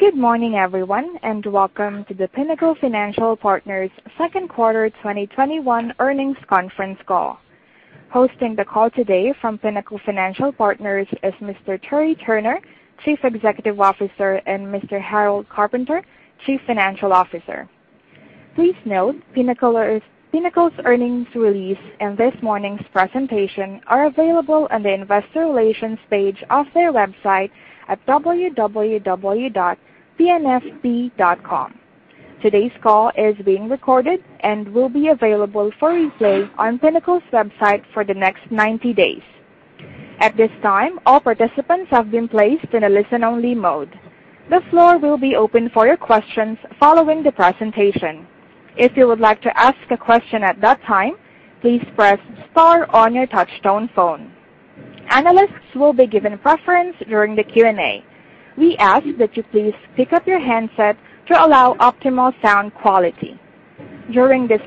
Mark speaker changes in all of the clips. Speaker 1: Good morning everyone, and welcome to the Pinnacle Financial Partners Second Quarter 2021 Earnings Conference Call. Hosting the call today from Pinnacle Financial Partners is Mr. Terry Turner, Chief Executive Officer, and Mr. Harold Carpenter, Chief Financial Officer. Please note Pinnacle's earnings release and this morning's presentation are available on the investor relations page of their website at www.pnfp.com. Today's call is being recorded and will be available for replay on Pinnacle's website for the next 90 days. At this time, all participants have been placed in a listen-only mode. The floor will be open for your questions following the presentation. During this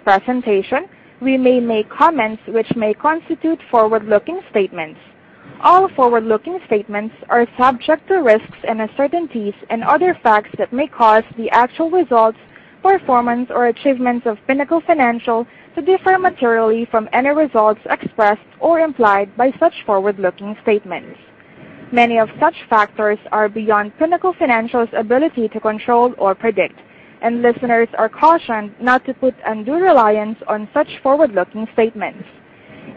Speaker 1: presentation, we may make comments which may constitute forward-looking statements. All forward-looking statements are subject to risks and uncertainties and other facts that may cause the actual results, performance, or achievements of Pinnacle Financial to differ materially from any results expressed or implied by such forward-looking statements. Many of such factors are beyond Pinnacle Financial's ability to control or predict, and listeners are cautioned not to put undue reliance on such forward-looking statements.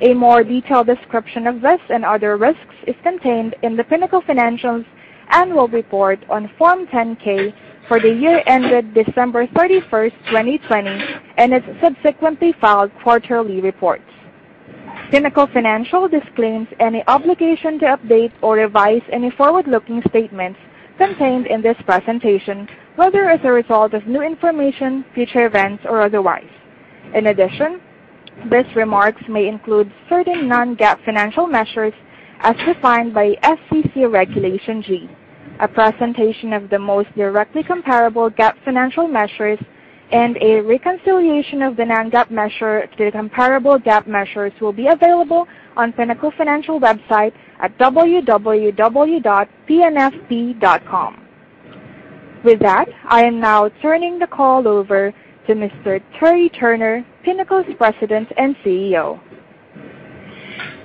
Speaker 1: A more detailed description of this and other risks is contained in the Pinnacle Financial's Annual Report on Form 10-K for the year ended December 31st, 2020, and its subsequently filed quarterly reports. Pinnacle Financial disclaims any obligation to update or revise any forward-looking statements contained in this presentation, whether as a result of new information, future events, or otherwise. In addition, these remarks may include certain non-GAAP financial measures as defined by SEC Regulation G. A presentation of the most directly comparable GAAP financial measures and a reconciliation of the non-GAAP measure to comparable GAAP measures will be available on Pinnacle Financial website at www.pnfp.com. With that, I am now turning the call over to Mr. Terry Turner, Pinnacle's President and CEO.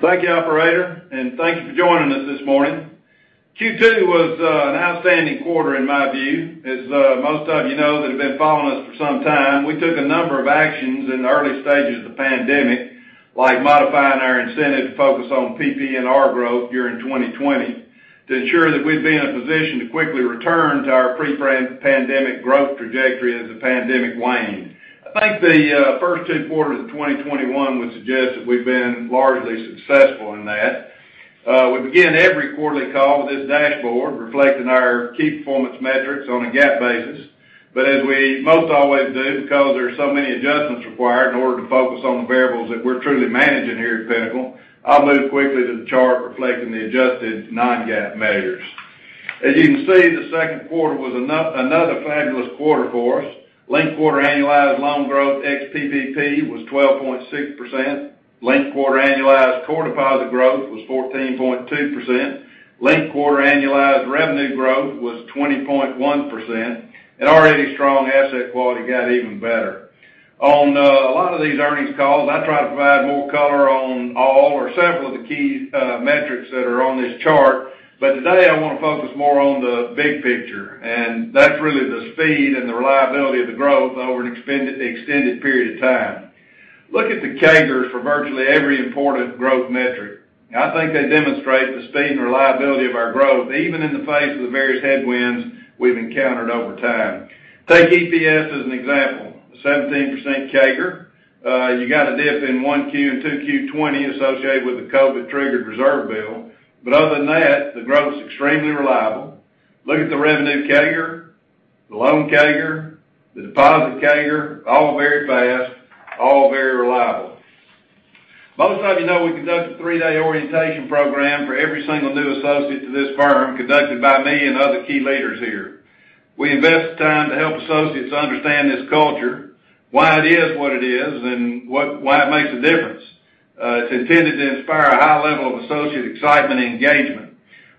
Speaker 2: Thank you, operator, and thank you for joining us this morning. Q2 was an outstanding quarter in my view. As most of you know that have been following us for some time, we took a number of actions in the early stages of the pandemic, like modifying our incentive to focus on PPNR growth during 2020 to ensure that we'd be in a position to quickly return to our pre-pandemic growth trajectory as the pandemic waned. I think the first two quarters of 2021 would suggest that we've been largely successful in that. We begin every quarterly call with this dashboard reflecting our key performance metrics on a GAAP basis. As we most always do, because there are so many adjustments required in order to focus on the variables that we're truly managing here at Pinnacle, I'll move quickly to the chart reflecting the adjusted non-GAAP measures. As you can see, the second quarter was another fabulous quarter for us. Linked-quarter annualized loan growth ex-PPP was 12.6%. Linked-quarter annualized core deposit growth was 14.2%. Already strong asset quality got even better. On a lot of these earnings calls, I try to provide more color on all or several of the key metrics that are on this chart. Today I want to focus more on the big picture, and that's really the speed and the reliability of the growth over an extended period of time. Look at the CAGRs for virtually every important growth metric. I think they demonstrate the speed and reliability of our growth, even in the face of the various headwinds we've encountered over time. Take EPS as an example, 17% CAGR. You got a dip in 1Q and 2Q 2020 associated with the COVID-triggered reserve build. Other than that, the growth is extremely reliable. Look at the revenue CAGR, the loan CAGR, the deposit CAGR, all very fast, all very reliable. Most of you know we conduct a three-day orientation program for every single new associate to this firm, conducted by me and other key leaders here. We invest the time to help associates understand this culture, why it is what it is, and why it makes a difference. It's intended to inspire a high level of associate excitement and engagement.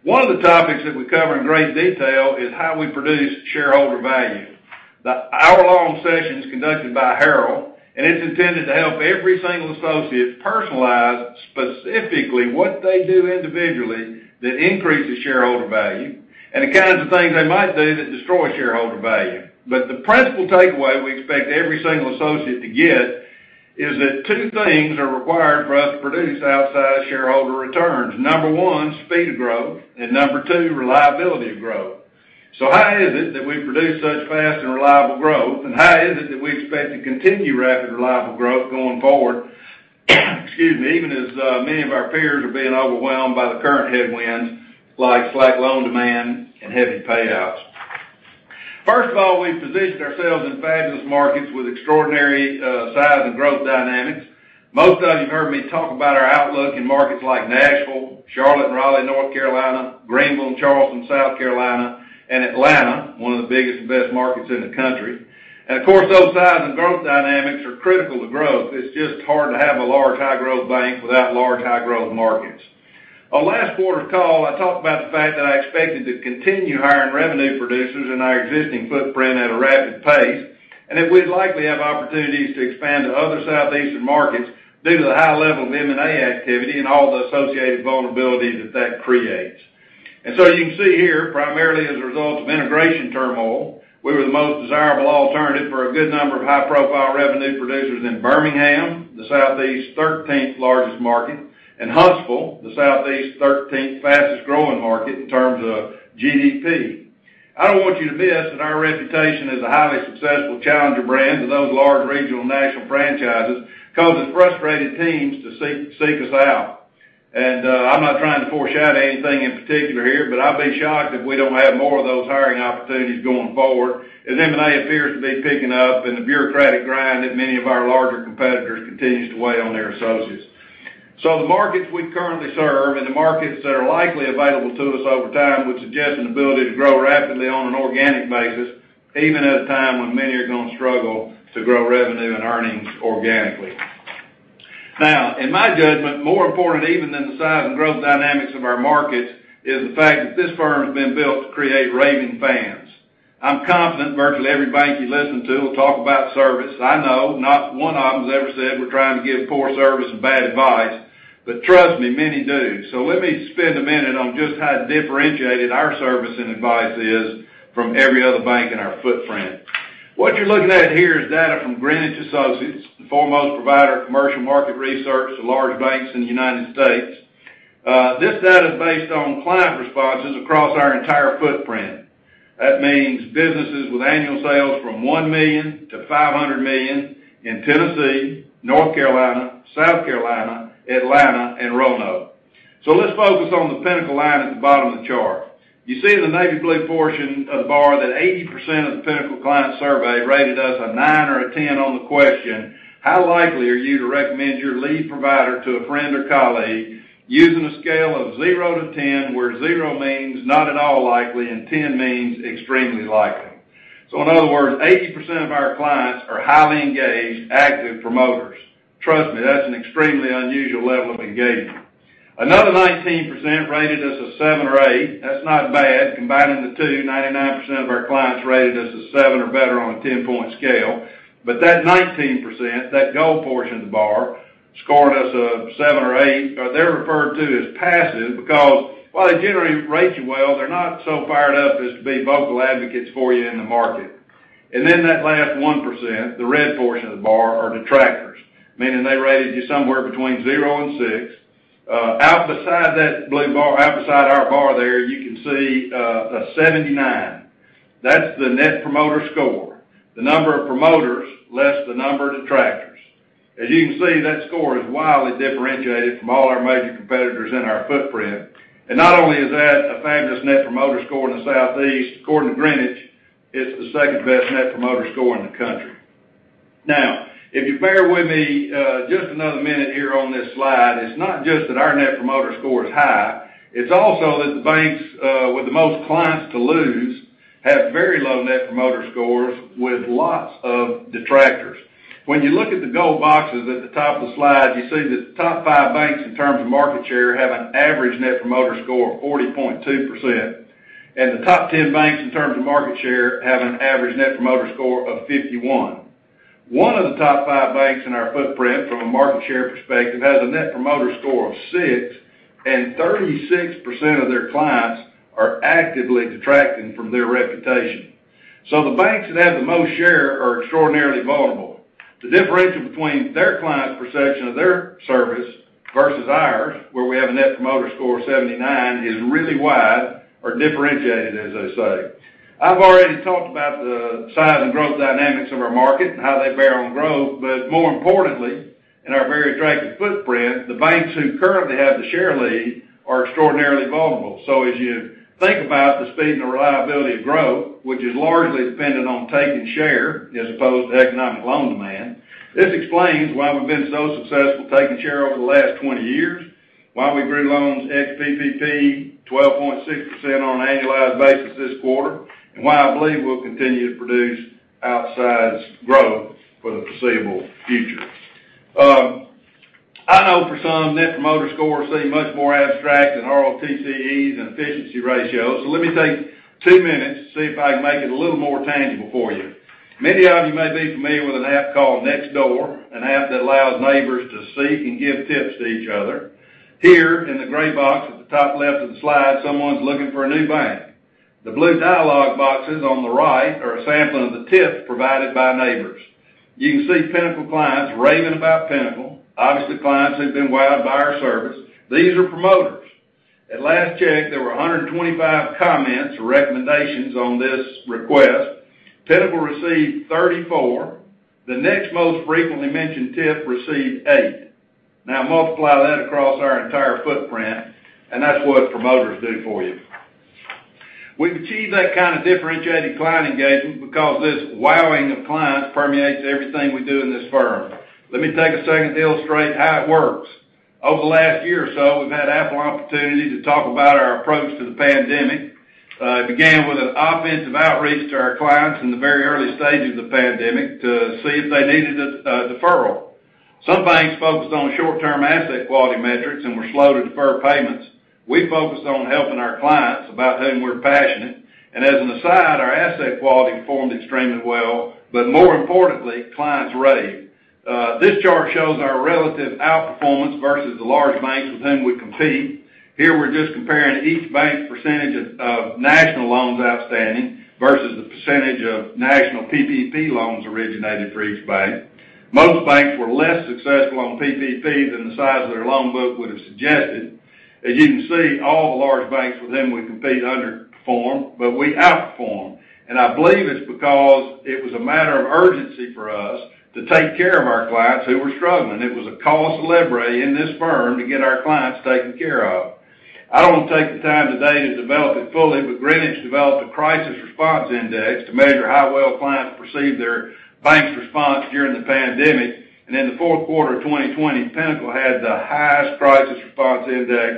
Speaker 2: One of the topics that we cover in great detail is how we produce shareholder value. The one-hour-long session is conducted by Harold, and it's intended to help every single associate personalize specifically what they do individually that increases shareholder value and the kinds of things they might do that destroy shareholder value. The principal takeaway we expect every single associate to get is that two things are required for us to produce outside shareholder returns. Number one, speed of growth, and number two, reliability of growth. How is it that we produce such fast and reliable growth, and how is it that we expect to continue rapid reliable growth going forward, excuse me, even as many of our peers are being overwhelmed by the current headwinds like slack loan demand and heavy payouts? First of all, we've positioned ourselves in fabulous markets with extraordinary size and growth dynamics. Most of you have heard me talk about our outlook in markets like Nashville, Charlotte and Raleigh, North Carolina, Greenville and Charleston, South Carolina, and Atlanta, one of the biggest and best markets in the country. Of course, those size and growth dynamics are critical to growth. It's just hard to have a large high-growth bank without large high-growth markets. On last quarter's call, I talked about the fact that I expected to continue hiring revenue producers in our existing footprint at a rapid pace, and that we'd likely have opportunities to expand to other Southeastern markets due to the high level of M&A activity and all the associated vulnerability that that creates. You can see here, primarily as a result of integration turmoil, we were the most desirable alternative for a good number of high-profile revenue producers in Birmingham, the Southeast's 13th largest market, and Huntsville, the Southeast's 13th fastest-growing market in terms of GDP. I don't want you to miss that our reputation as a highly successful challenger brand to those large regional national franchises causes frustrated teams to seek us out. I'm not trying to foreshadow anything in particular here, but I'd be shocked if we don't have more of those hiring opportunities going forward, as M&A appears to be picking up, and the bureaucratic grind that many of our larger competitors continues to weigh on their associates. The markets we currently serve and the markets that are likely available to us over time would suggest an ability to grow rapidly on an organic basis, even at a time when many are going to struggle to grow revenue and earnings organically. In my judgment, more important even than the size and growth dynamics of our markets is the fact that this firm has been built to create raving fans. I'm confident virtually every bank you listen to will talk about service. I know not one of them has ever said we're trying to give poor service and bad advice, but trust me, many do. Let me spend a minute on just how differentiated our service and advice is from every other bank in our footprint. What you're looking at here is data from Greenwich Associates, the foremost provider of commercial market research to large banks in the United States. This data is based on client responses across our entire footprint. That means businesses with annual sales from $1 million-$500 million in Tennessee, North Carolina, South Carolina, Atlanta, and Roanoke. Let's focus on the Pinnacle line at the bottom of the chart. You see in the navy blue portion of the bar that 80% of the Pinnacle client survey rated us a nine or a 10 on the question: How likely are you to recommend your lead provider to a friend or colleague using a scale of zero to 10, where zero means not at all likely, and 10 means extremely likely. In other words, 80% of our clients are highly engaged, active promoters. Trust me, that's an extremely unusual level of engagement. Another 19% rated us a seven or eight. That's not bad. Combining the two, 99% of our clients rated us a seven or better on a 10-point scale. That 19%, that gold portion of the bar, scoring us a seven or eight, they're referred to as passive because while they generally rate you well, they're not so fired up as to be vocal advocates for you in the market. That last 1%, the red portion of the bar, are detractors, meaning they rated you somewhere between zero and six. Out beside that blue bar, out beside our bar there, you can see a 79. That's the net promoter score, the number of promoters less the number of detractors. As you can see, that score is wildly differentiated from all our major competitors in our footprint. Not only is that a fabulous net promoter score in the Southeast, according to Greenwich, it's the second-best net promoter score in the country. If you bear with me just another minute here on this slide, it's not just that our net promoter score is high, it's also that the banks with the most clients to lose have very low net promoter scores with lots of detractors. When you look at the gold boxes at the top of the slide, you see that the top five banks in terms of market share have an average net promoter score of 40.2%, and the top 10 banks in terms of market share have an average net promoter score of 51. One of the top five banks in our footprint from a market share perspective has a net promoter score of six, and 36% of their clients are actively detracting from their reputation. The banks that have the most share are extraordinarily vulnerable. The difference between their clients perception of their service versus ours, where we have a net promoter score of 79, is really wide or differentiated, as I say. I've already talked about the size and growth dynamics of our market and how they bear on growth, more importantly, in our very attractive footprint, the banks who currently have the share lead are extraordinarily vulnerable. As you think about the speed and the reliability of growth, which is largely dependent on taking share as opposed to economic loan demand, this explains why we've been so successful taking share over the last 20 years, why we grew loans ex-PPP 12.6% on an annualized basis this quarter, and why I believe we'll continue to produce outsized growth for the foreseeable future. I know for some, net promoter score seem much more abstract than ROTCEs and efficiency ratios, so let me take two minutes to see if I can make it a little more tangible for you. Many of you may be familiar with an app called Nextdoor, an app that allows neighbors to seek and give tips to each other. Here in the gray box at the top left of the slide, someone's looking for a new bank. The blue dialog boxes on the right are a sampling of the tips provided by neighbors. You can see Pinnacle clients raving about Pinnacle. Obviously, clients who've been wowed by our service. These are promoters. At last check, there were 125 comments or recommendations on this request. Pinnacle received 34. The next most frequently mentioned tip received eight. Now multiply that across our entire footprint, and that's what promoters do for you. We've achieved that kind of differentiated client engagement because this wowing of clients permeates everything we do in this firm. Let me take a second to illustrate how it works. Over the last year or so, we've had ample opportunity to talk about our approach to the pandemic. It began with an offensive outreach to our clients in the very early stages of the pandemic to see if they needed a deferral. Some banks focused on short-term asset quality metrics and were slow to defer payments. We focused on helping our clients, about whom we're passionate. As an aside, our asset quality performed extremely well, but more importantly, clients raved. This chart shows our relative outperformance versus the large banks with whom we compete. Here we're just comparing each bank's percentage of national loans outstanding versus the percentage of national PPP loans originated for each bank. Most banks were less successful on PPP than the size of their loan book would have suggested. As you can see, all the large banks with whom we compete underperformed, we outperformed. I believe it's because it was a matter of urgency for us to take care of our clients who were struggling. It was a cause célèbre in this firm to get our clients taken care of. I don't want to take the time today to develop it fully, Greenwich developed a Crisis Response Index to measure how well clients perceive their bank's response during the pandemic. In the fourth quarter of 2020, Pinnacle had the highest Crisis Response Index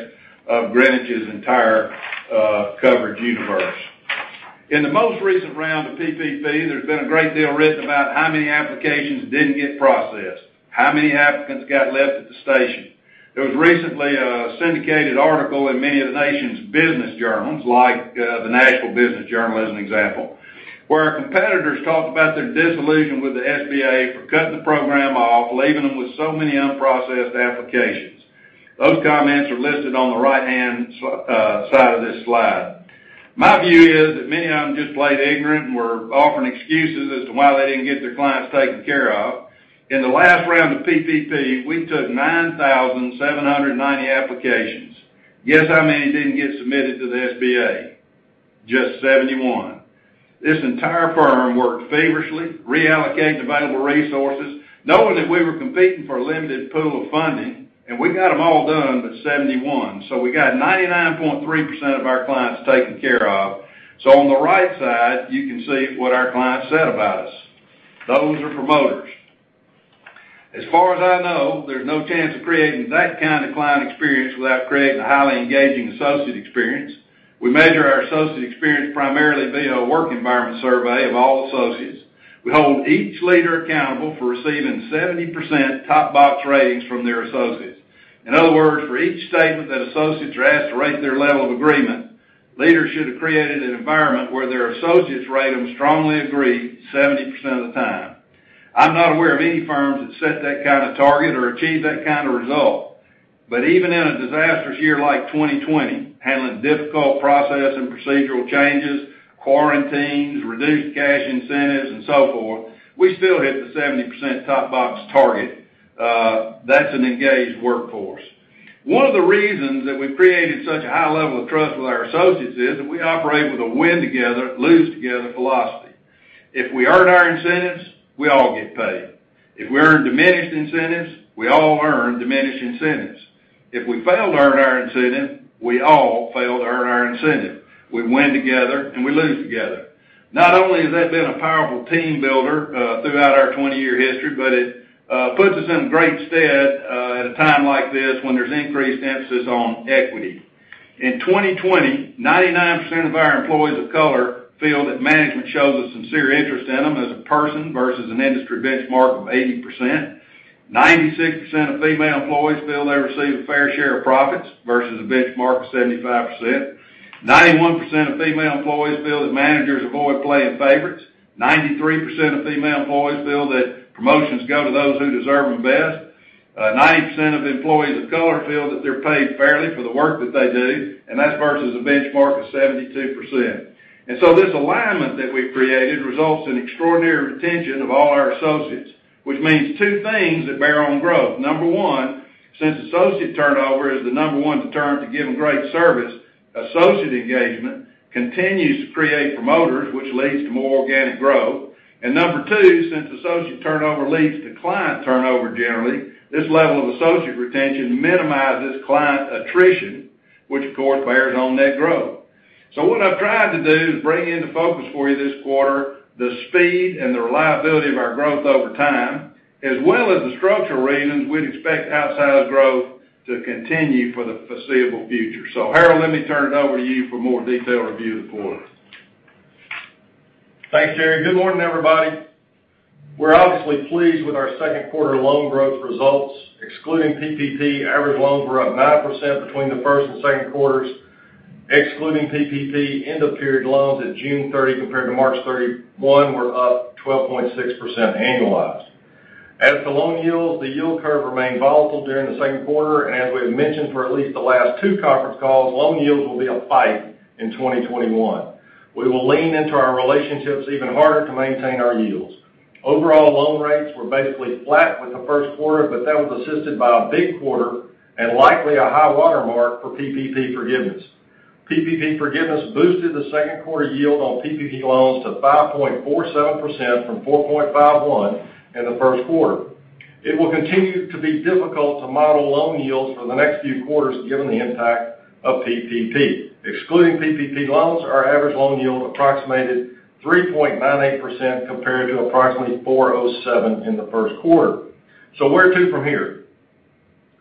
Speaker 2: of Greenwich's entire coverage universe. In the most recent round of PPP, there's been a great deal written about how many applications didn't get processed, how many applicants got left at the station. There was recently a syndicated article in many of the nation's business journals, like the Nashville Business Journal, as an example, where competitors talked about their disillusion with the SBA for cutting the program off, leaving them with so many unprocessed applications. Those comments are listed on the right-hand side of this slide. My view is that many of them just played ignorant and were offering excuses as to why they didn't get their clients taken care of. In the last round of PPP, we took 9,790 applications. Guess how many didn't get submitted to the SBA? Just 71. This entire firm worked feverishly, reallocating available resources, knowing that we were competing for a limited pool of funding, and we got them all done but 71. We got 99.3% of our clients taken care of. On the right side, you can see what our clients said about us. Those are promoters. As far as I know, there's no chance of creating that kind of client experience without creating a highly engaging associate experience. We measure our associate experience primarily via a work environment survey of all associates. We hold each leader accountable for receiving 70% top box ratings from their associates. In other words, for each statement that associates are asked to rate their level of agreement, leaders should have created an environment where their associates rate them strongly agree 70% of the time. I'm not aware of any firms that set that kind of target or achieve that kind of result. Even in a disastrous year like 2020, handling difficult process and procedural changes, quarantines, reduced cash incentives, and so forth, we still hit the 70% top box target, that's an engaged workforce. One of the reasons that we've created such a high level of trust with our associates is that we operate with a win together, lose together philosophy. If we earn our incentives, we all get paid. If we earn diminished incentives, we all earn diminished incentives. If we fail to earn our incentive, we all fail to earn our incentive. We win together, we lose together. Not only has that been a powerful team builder throughout our 20-year history, it puts us in great stead at a time like this when there's increased emphasis on equity. In 2020, 99% of our employees of color feel that management shows a sincere interest in them as a person versus an industry benchmark of 80%. 96% of female employees feel they receive a fair share of profits versus a benchmark of 75%. 91% of female employees feel that managers avoid playing favorites. 93% of female employees feel that promotions go to those who deserve them best. 90% of employees of color feel that they're paid fairly for the work that they do, That's versus a benchmark of 72%. This alignment that we've created results in extraordinary retention of all our associates, which means two things that bear on growth. Number one, since associate turnover is the number one deterrent to giving great service, associate engagement continues to create promoters, which leads to more organic growth. Number two, since associate turnover leads to client turnover generally, this level of associate retention minimizes client attrition, which of course bears on net growth. What I've tried to do is bring into focus for you this quarter the speed and the reliability of our growth over time, as well as the structural reasons, we'd expect outsized growth to continue for the foreseeable future. Harold, let me turn it over to you for a more detailed review of the quarter.
Speaker 3: Thanks, Terry. Good morning, everybody. We're obviously pleased with our second quarter loan growth results. Excluding PPP, average loans were up 9% between the first and second quarters. Excluding PPP, end of period loans at June 30 compared to March 31 were up 12.6% annualized. As to loan yields, the yield curve remained volatile during the second quarter. As we have mentioned for at least the last two conference calls, loan yields will be a fight in 2021. We will lean into our relationships even harder to maintain our yields. Overall loan rates were basically flat with the first quarter. That was assisted by a big quarter and likely a high water mark for PPP forgiveness. PPP forgiveness boosted the second quarter yield on PPP loans to 5.47% from 4.51% in the first quarter. It will continue to be difficult to model loan yields for the next few quarters given the impact of PPP. Excluding PPP loans, our average loan yield approximated 3.98% compared to approximately 4.07% in the first quarter. Where to from here?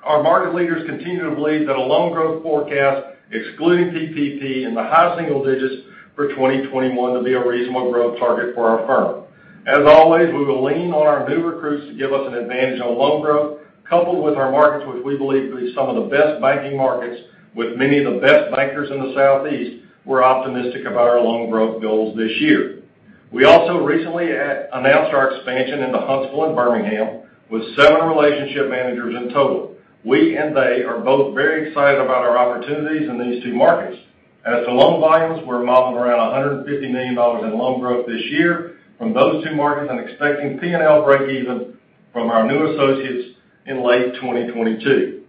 Speaker 3: Our market leaders continue to believe that a loan growth forecast, excluding PPP, in the high single digits for 2021 to be a reasonable growth target for our firm. As always, we will lean on our new recruits to give us an advantage on loan growth, coupled with our markets, which we believe to be some of the best banking markets with many of the best bankers in the Southeast, we're optimistic about our loan growth goals this year. We also recently announced our expansion into Huntsville and Birmingham, with seven relationship managers in total. We and they are both very excited about our opportunities in these two markets. As to loan volumes, we're modeling around $150 million in loan growth this year from those two markets and expecting P&L breakeven from our new associates in late 2022.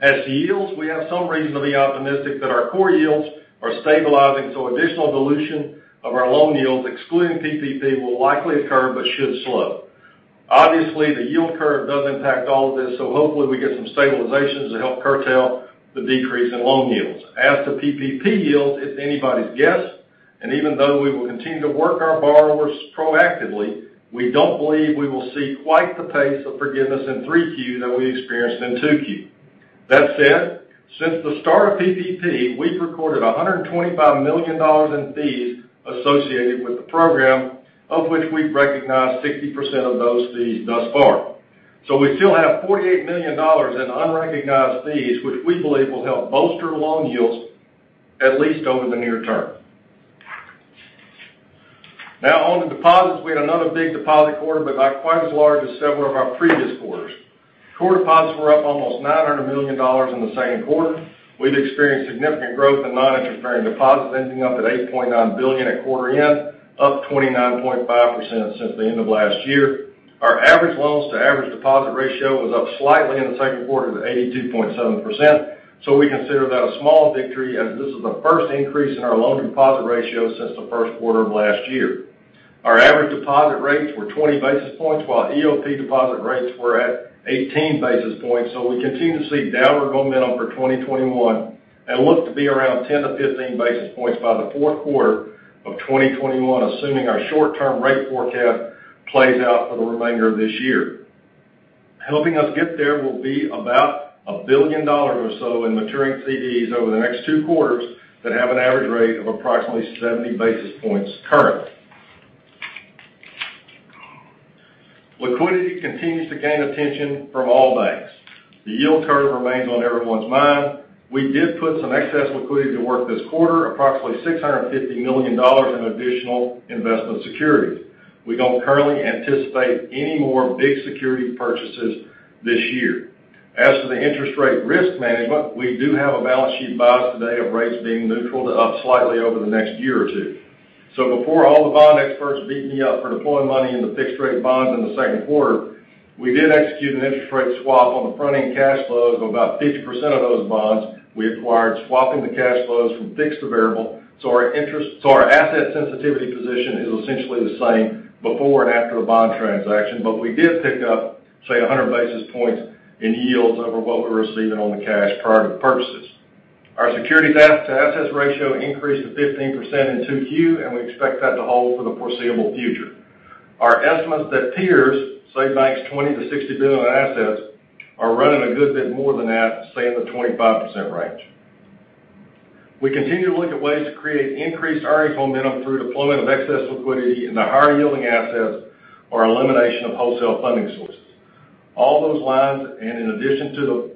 Speaker 3: As to yields, we have some reason to be optimistic that our core yields are stabilizing, so additional dilution of our loan yields, excluding PPP, will likely occur, but should slow. The yield curve does impact all of this, so hopefully we get some stabilizations to help curtail the decrease in loan yields. As to PPP yields, it's anybody's guess, even though we will continue to work our borrowers proactively, we don't believe we will see quite the pace of forgiveness in 3Q that we experienced in 2Q. That said, since the start of PPP, we've recorded $125 million in fees associated with the program, of which we've recognized 60% of those fees thus far. We still have $48 million in unrecognized fees, which we believe will help bolster loan yields at least over the near term. On to deposits. We had another big deposit quarter, but not quite as large as several of our previous quarters. Core deposits were up almost $900 million in the second quarter. We've experienced significant growth in non-interest-bearing deposits, ending up at $8.9 billion at quarter end, up 29.5% since the end of last year. Our average loans to average deposit ratio was up slightly in the second quarter to 82.7%, so we consider that a small victory, as this is the first increase in our loan deposit ratio since the first quarter of last year. Our average deposit rates were 20 basis points, while EOP deposit rates were at 18 basis points, so we continue to see downward momentum for 2021 and look to be around 10 basis points-15 basis points by the fourth quarter of 2021, assuming our short-term rate forecast plays out for the remainder of this year. Helping us get there will be about a billion dollar or so in maturing CDs over the next two quarters that have an average rate of approximately 70 basis points currently. Liquidity continues to gain attention from all banks. The yield curve remains on everyone's mind. We did put some excess liquidity to work this quarter, approximately $650 million in additional investment securities. We don't currently anticipate any more big security purchases this year. As to the interest rate risk management, we do have a balance sheet bias today of rates being neutral to up slightly over the next year or two. Before all the bond experts beat me up for deploying money in the fixed rate bonds in the second quarter, we did execute an interest rate swap on the front-end cash flows of about 50% of those bonds we acquired, swapping the cash flows from fixed to variable, so our asset sensitivity position is essentially the same before and after the bond transaction. We did pick up, say, 100 basis points in yields over what we were receiving on the cash prior to the purchases. Our securities to assets ratio increased to 15% in 2Q. We expect that to hold for the foreseeable future. Our estimate is that peers, say, banks $20 billion-$60 billion in assets, are running a good bit more than that, say in the 25% range. We continue to look at ways to create increased earnings momentum through deployment of excess liquidity into higher-yielding assets or elimination of wholesale funding sources. All those lines, and in addition to the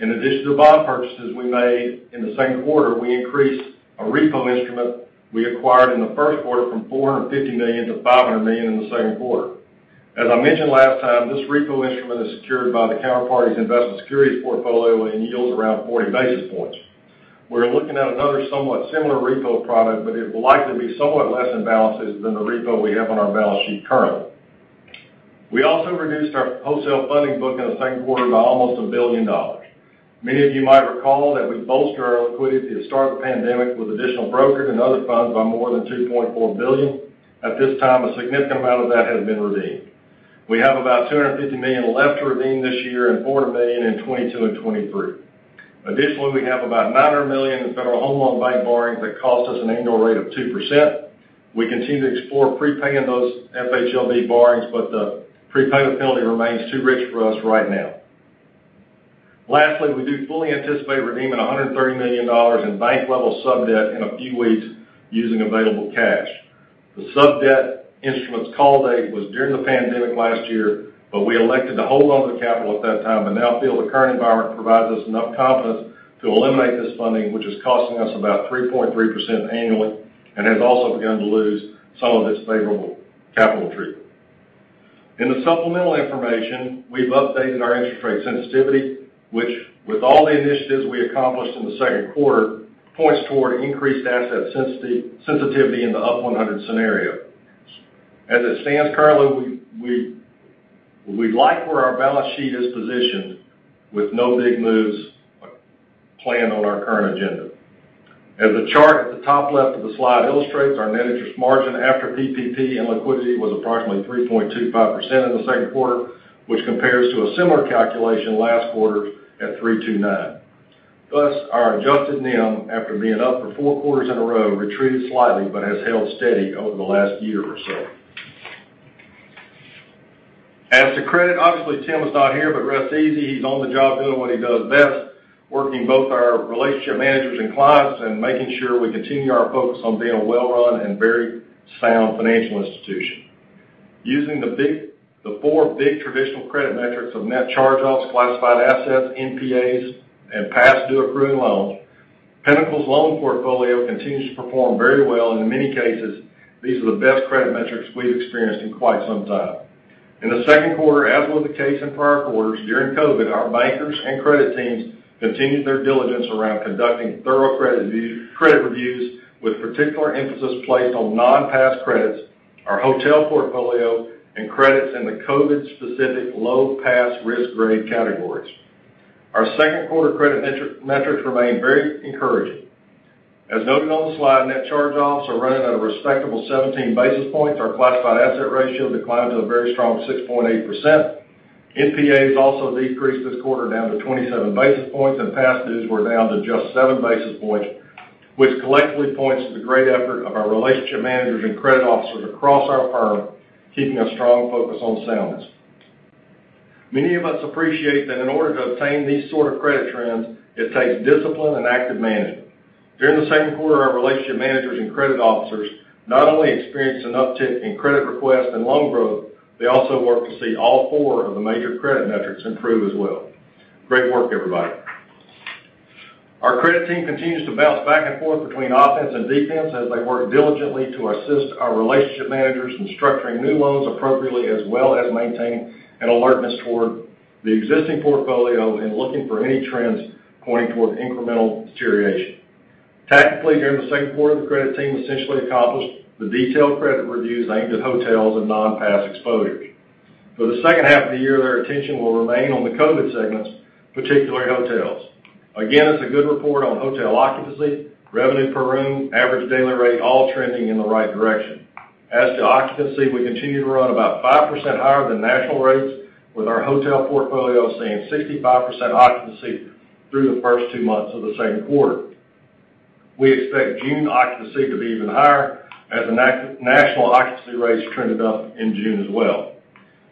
Speaker 3: bond purchases we made in the second quarter, we increased a repo instrument we acquired in the first quarter from $450 million to $500 million in the second quarter. As I mentioned last time, this repo instrument is secured by the counterparty's investment securities portfolio and yields around 40 basis points. We're looking at another somewhat similar repo product, but it will likely be somewhat less in balances than the repo we have on our balance sheet currently. We also reduced our wholesale funding book in the second quarter by almost a billion dollar. Many of you might recall that we bolstered our liquidity at the start of the pandemic with additional brokers and other funds by more than $2.4 billion. At this time, a significant amount of that has been redeemed. We have about $250 million left to redeem this year and $400 million in 2022 and 2023. Additionally, we have about $900 million in Federal Home Loan Bank borrowings that cost us an annual rate of 2%. We continue to explore prepaying those FHLB borrowings, the prepayment penalty remains too rich for us right now. Lastly, we do fully anticipate redeeming $130 million in bank-level sub-debt in a few weeks using available cash. The sub-debt instrument's call date was during the pandemic last year, but we elected to hold onto the capital at that time, but now feel the current environment provides us enough confidence to eliminate this funding, which is costing us about 3.3% annually and has also begun to lose some of its favorable capital treatment. In the supplemental information, we've updated our interest rate sensitivity, which with all the initiatives we accomplished in the second quarter, points toward increased asset sensitivity in the up 100 scenario. As it stands currently, we like where our balance sheet is positioned with no big moves planned on our current agenda. As the chart at the top left of the slide illustrates, our net interest margin after PPP and liquidity was approximately 3.25% in the second quarter, which compares to a similar calculation last quarter at 3.29%. Our adjusted NIM, after being up for four quarters in a row, retreated slightly but has held steady over the last year or so. As to credit, obviously Tim is not here, but rest easy, he's on the job doing what he does best, working both our relationship managers and clients and making sure we continue our focus on being a well-run and very sound financial institution. Using the four big traditional credit metrics of net charge-offs, classified assets, NPAs, and past due accruing loans, Pinnacle's loan portfolio continues to perform very well, and in many cases, these are the best credit metrics we've experienced in quite some time. In the second quarter, as was the case in prior quarters, during COVID, our bankers and credit teams continued their diligence around conducting thorough credit reviews with particular emphasis placed on non-pass credits, our hotel portfolio, and credits in the COVID-specific low pass risk grade categories. Our second quarter credit metrics remain very encouraging. As noted on the slide, net charge-offs are running at a respectable 17 basis points. Our classified asset ratio declined to a very strong 6.8%. NPAs also decreased this quarter down to 27 basis points. Past dues were down to just 7 basis points, which collectively points to the great effort of our relationship managers and credit officers across our firm, keeping a strong focus on soundness. Many of us appreciate that in order to obtain these sort of credit trends, it takes discipline and active management. During the second quarter, our relationship managers and credit officers not only experienced an uptick in credit requests and loan growth, they also worked to see all four of the major credit metrics improve as well. Great work, everybody. Our credit team continues to bounce back and forth between offense and defense as they work diligently to assist our relationship managers in structuring new loans appropriately, as well as maintaining an alertness toward the existing portfolio and looking for any trends pointing toward incremental deterioration. Tactically, during the second quarter, the credit team essentially accomplished the detailed credit reviews aimed at hotels and non-pass exposures. For the second half of the year, their attention will remain on the COVID segments, particularly hotels. Again, it's a good report on hotel occupancy, revenue per room, average daily rate, all trending in the right direction. As to occupancy, we continue to run about 5% higher than national rates, with our hotel portfolio seeing 65% occupancy through the first two months of the second quarter. We expect June occupancy to be even higher as the national occupancy rates trended up in June as well.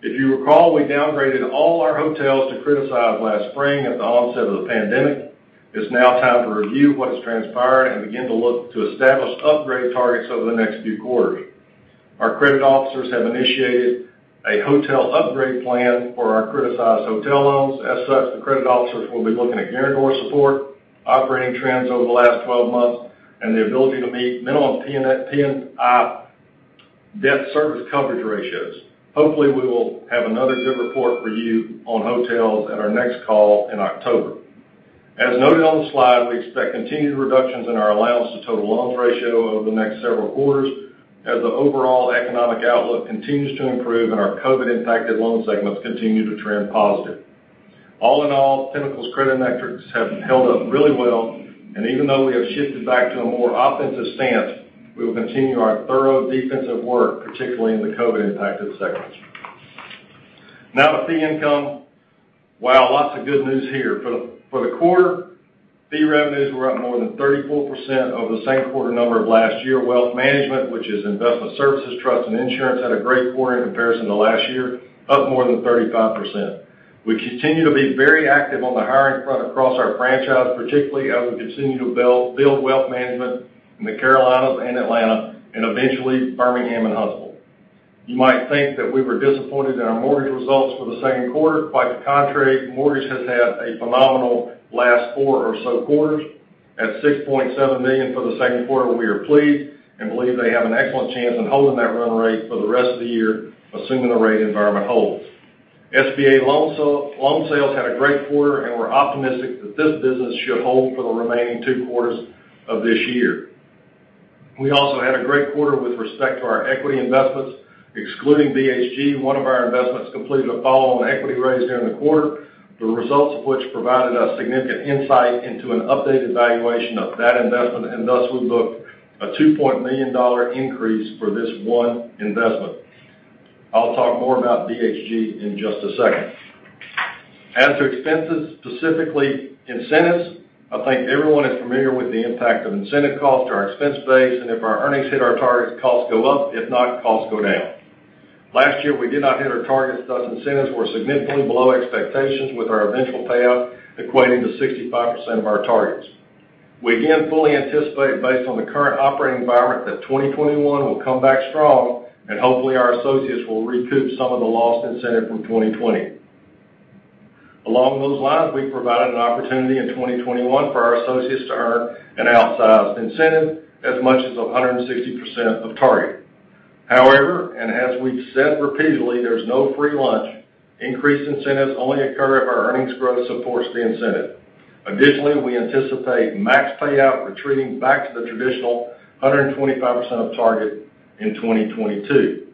Speaker 3: If you recall, we downgraded all our hotels to criticized last spring at the onset of the pandemic. It's now time to review what has transpired and begin to look to establish upgrade targets over the next few quarters. Our credit officers have initiated a hotel upgrade plan for our criticized hotel loans. As such, the credit officers will be looking at guarantor support, operating trends over the last 12 months, and the ability to meet minimum T&I debt service coverage ratios. Hopefully, we will have another good report for you on hotels at our next call in October. As noted on the slide, we expect continued reductions in our allowance to total loans ratio over the next several quarters as the overall economic outlook continues to improve and our COVID-impacted loan segments continue to trend positive. All in all, Pinnacle's credit metrics have held up really well, and even though we have shifted back to a more offensive stance, we will continue our thorough defensive work, particularly in the COVID-impacted segments. Now to fee income. Wow, lots of good news here. For the quarter, fee revenues were up more than 34% over the same quarter number of last year. Wealth management, which is investment services, trust, and insurance, had a great quarter in comparison to last year, up more than 35%. We continue to be very active on the hiring front across our franchise, particularly as we continue to build wealth management in the Carolinas and Atlanta, and eventually Birmingham and Huntsville. You might think that we were disappointed in our mortgage results for the second quarter. Quite the contrary, mortgage has had a phenomenal last four or so quarters. At $6.7 million for the second quarter, we are pleased and believe they have an excellent chance in holding that run rate for the rest of the year, assuming the rate environment holds. SBA loan sales had a great quarter, and we're optimistic that this business should hold for the remaining two quarters of this year. We also had a great quarter with respect to our equity investments. Excluding BHG, one of our investments completed a follow-on equity raise during the quarter, the results of which provided us significant insight into an updated valuation of that investment, and thus we booked a $2 million increase for this one investment. I'll talk more about BHG in just a second. As to expenses, specifically incentives, I think everyone is familiar with the impact of incentive cost to our expense base, and if our earnings hit our targets, costs go up. If not, costs go down. Last year, we did not hit our targets, thus incentives were significantly below expectations, with our eventual payout equating to 65% of our targets. We again fully anticipate, based on the current operating environment, that 2021 will come back strong and hopefully our associates will recoup some of the lost incentive from 2020. Along those lines, we provided an opportunity in 2021 for our associates to earn an outsized incentive, as much as 160% of target. However, as we've said repeatedly, there's no free lunch. Increased incentives only occur if our earnings growth supports the incentive. Additionally, we anticipate max payout retreating back to the traditional 125% of target in 2022.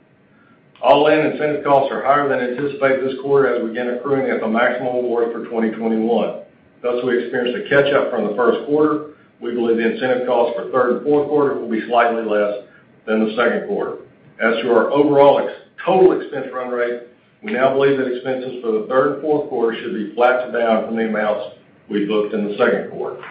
Speaker 3: All in, incentive costs are higher than anticipated this quarter as we began accruing at the maximum award for 2021, thus we experienced a catch-up from the first quarter. We believe the incentive costs for third and fourth quarter will be slightly less than the second quarter. As to our overall total expense run rate, we now believe that expenses for the third and fourth quarter should be flat to down from the amounts we booked in the second quarter.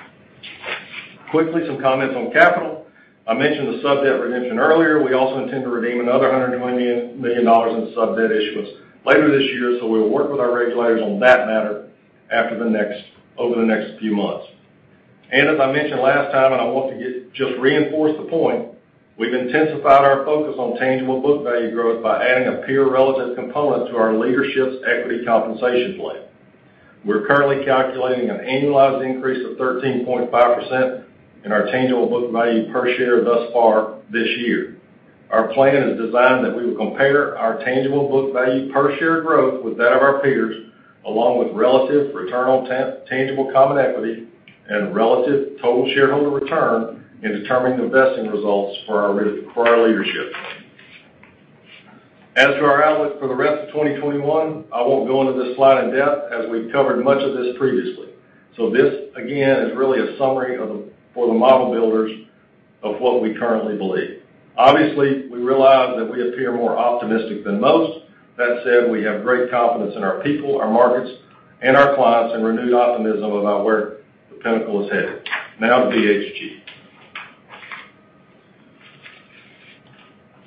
Speaker 3: Quickly, some comments on capital. I mentioned the sub-debt redemption earlier. We also intend to redeem another $120 million in sub-debt issuance later this year. We'll work with our regulators on that matter over the next few months. As I mentioned last time, and I want to just reinforce the point, we've intensified our focus on tangible book value growth by adding a peer relative component to our leadership's equity compensation plan. We're currently calculating an annualized increase of 13.5% in our tangible book value per share thus far this year. Our plan is designed that we will compare our tangible book value per share growth with that of our peers, along with relative return on tangible common equity and relative total shareholder return in determining the vesting results for our leadership. As to our outlook for the rest of 2021, I won't go into this slide in depth, as we've covered much of this previously. This, again, is really a summary for the model builders of what we currently believe. Obviously, we realize that we appear more optimistic than most. That said, we have great confidence in our people, our markets, and our clients, and renewed optimism about where the Pinnacle is headed. Now to BHG.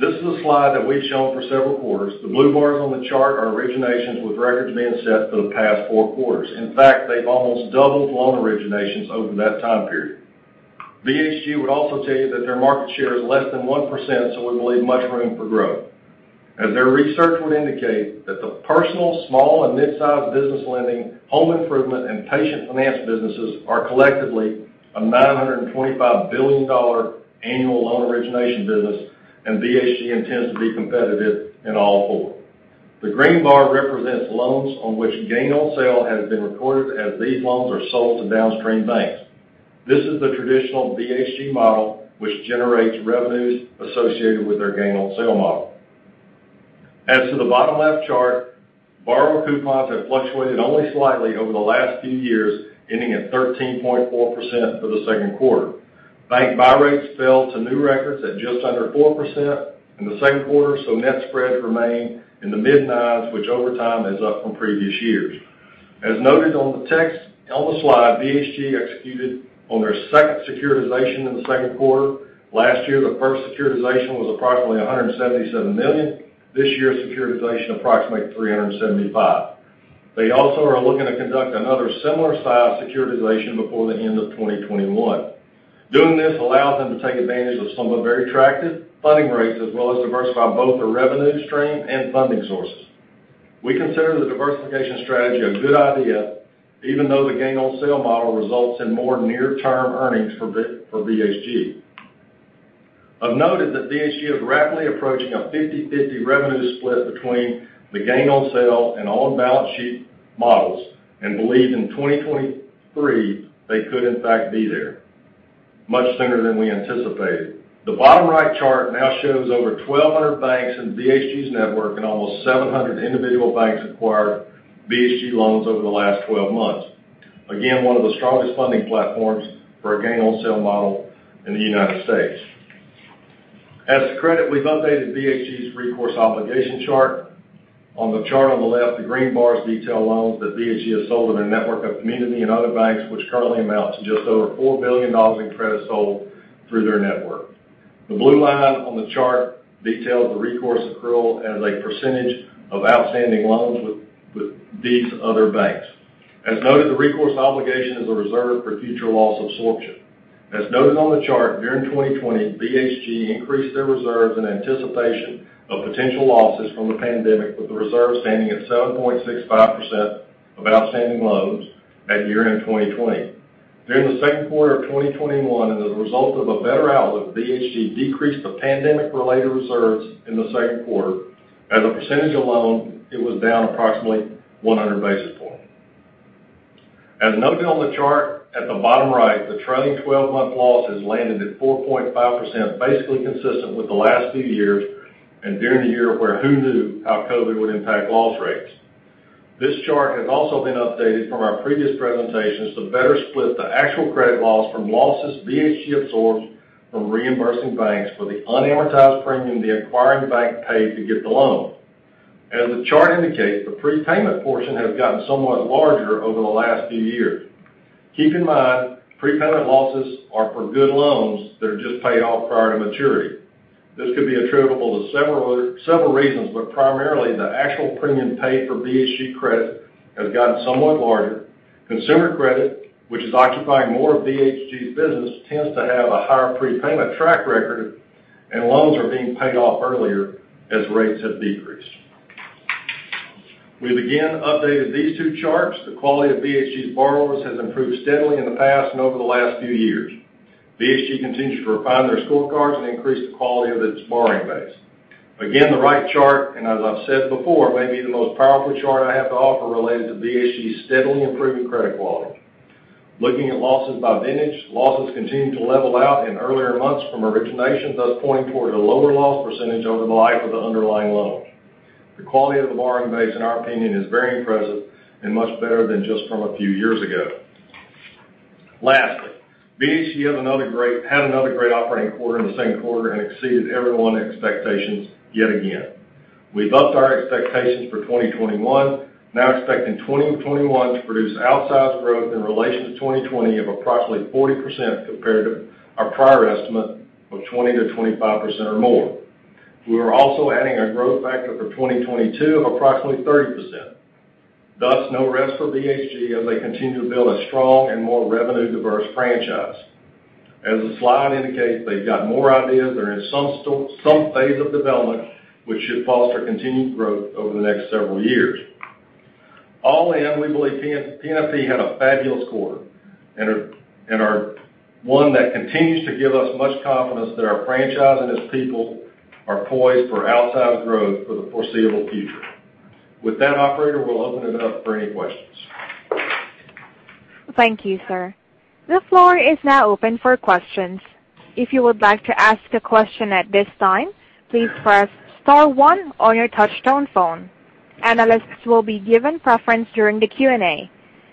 Speaker 3: This is a slide that we've shown for several quarters. The blue bars on the chart are originations, with records being set for the past four quarters. In fact, they've almost doubled loan originations over that time period. BHG would also tell you that their market share is less than 1%, so we believe much room for growth. As their research would indicate, that the personal, small, and mid-sized business lending, home improvement, and patient finance businesses are collectively a $925 billion annual loan origination business, and BHG intends to be competitive in all four. The green bar represents loans on which gain on sale has been recorded as these loans are sold to downstream banks. This is the traditional BHG model, which generates revenues associated with their gain on sale model. As to the bottom left chart, borrower coupons have fluctuated only slightly over the last few years, ending at 13.4% for the second quarter. Bank buy rates fell to new records at just under 4% in the second quarter, net spreads remain in the mid-nines, which over time is up from previous years. As noted on the text on the slide, BHG executed on their second securitization in the second quarter. Last year, the first securitization was approximately $177 million. This year's securitization, approximately $375 million. They also are looking to conduct another similar size securitization before the end of 2021. Doing this allows them to take advantage of some of the very attractive funding rates, as well as diversify both the revenue stream and funding sources. We consider the diversification strategy a good idea, even though the gain on sale model results in more near-term earnings for BHG. I've noted that BHG is rapidly approaching a 50/50 revenue split between the gain on sale and on-balance-sheet models, and believe in 2023, they could in fact be there much sooner than we anticipated. The bottom right chart now shows over 1,200 banks in BHG's network and almost 700 individual banks acquired BHG loans over the last 12 months. Again, one of the strongest funding platforms for a gain on sale model in the U.S. As to credit, we've updated BHG's recourse obligation chart. On the chart on the left, the green bars detail loans that BHG has sold in a network of community and other banks, which currently amounts to just over $4 billion in credit sold through their network. The blue line on the chart details the recourse accrual as a percentage of outstanding loans with these other banks. As noted, the recourse obligation is a reserve for future loss absorption. As noted on the chart, during 2020, BHG increased their reserves in anticipation of potential losses from the pandemic, with the reserve standing at 7.65% of outstanding loans at year-end 2020. During the second quarter of 2021, and as a result of a better outlook, BHG decreased the pandemic related reserves in the second quarter. As a percentage of loans, it was down approximately 100 basis points. As noted on the chart at the bottom right, the trailing 12-month loss has landed at 4.5%, basically consistent with the last few years, and during the year where who knew how COVID would impact loss rates. This chart has also been updated from our previous presentations to better split the actual credit loss from losses BHG absorbs from reimbursing banks for the unamortized premium the acquiring bank paid to get the loan. As the chart indicates, the prepayment portion has gotten somewhat larger over the last few years. Keep in mind, prepayment losses are for good loans that are just paid off prior to maturity. This could be attributable to several reasons, but primarily the actual premium paid for BHG credit has gotten somewhat larger. Consumer credit, which is occupying more of BHG's business, tends to have a higher prepayment track record, and loans are being paid off earlier as rates have decreased. We've again updated these two charts. The quality of BHG's borrowers has improved steadily in the past and over the last few years. BHG continues to refine their scorecards and increase the quality of its borrowing base. Again, the right chart, and as I've said before, may be the most powerful chart I have to offer related to BHG's steadily improving credit quality. Looking at losses by vintage, losses continue to level out in earlier months from origination, thus pointing toward a lower loss percentage over the life of the underlying loan. The quality of the borrowing base, in our opinion, is very impressive and much better than just from a few years ago. Lastly, BHG had another great operating quarter in the second quarter and exceeded everyone's expectations yet again. We bumped our expectations for 2021, now expecting 2021 to produce outsized growth in relation to 2020 of approximately 40% compared to our prior estimate of 20%-25% or more. We are also adding a growth factor for 2022 of approximately 30%. Thus, no rest for BHG as they continue to build a strong and more revenue-diverse franchise. As the slide indicates, they've got more ideas. They're in some phase of development, which should foster continued growth over the next several years. All in, we believe PNFP had a fabulous quarter, and one that continues to give us much confidence that our franchise and its people are poised for outsized growth for the foreseeable future. With that, operator, we'll open it up for any questions.
Speaker 1: Thank you, sir. The floor is now open for questions. If you would like to ask a question at this time, please press star one on your touch tone phone. Analysts will be given preference during the Q&A.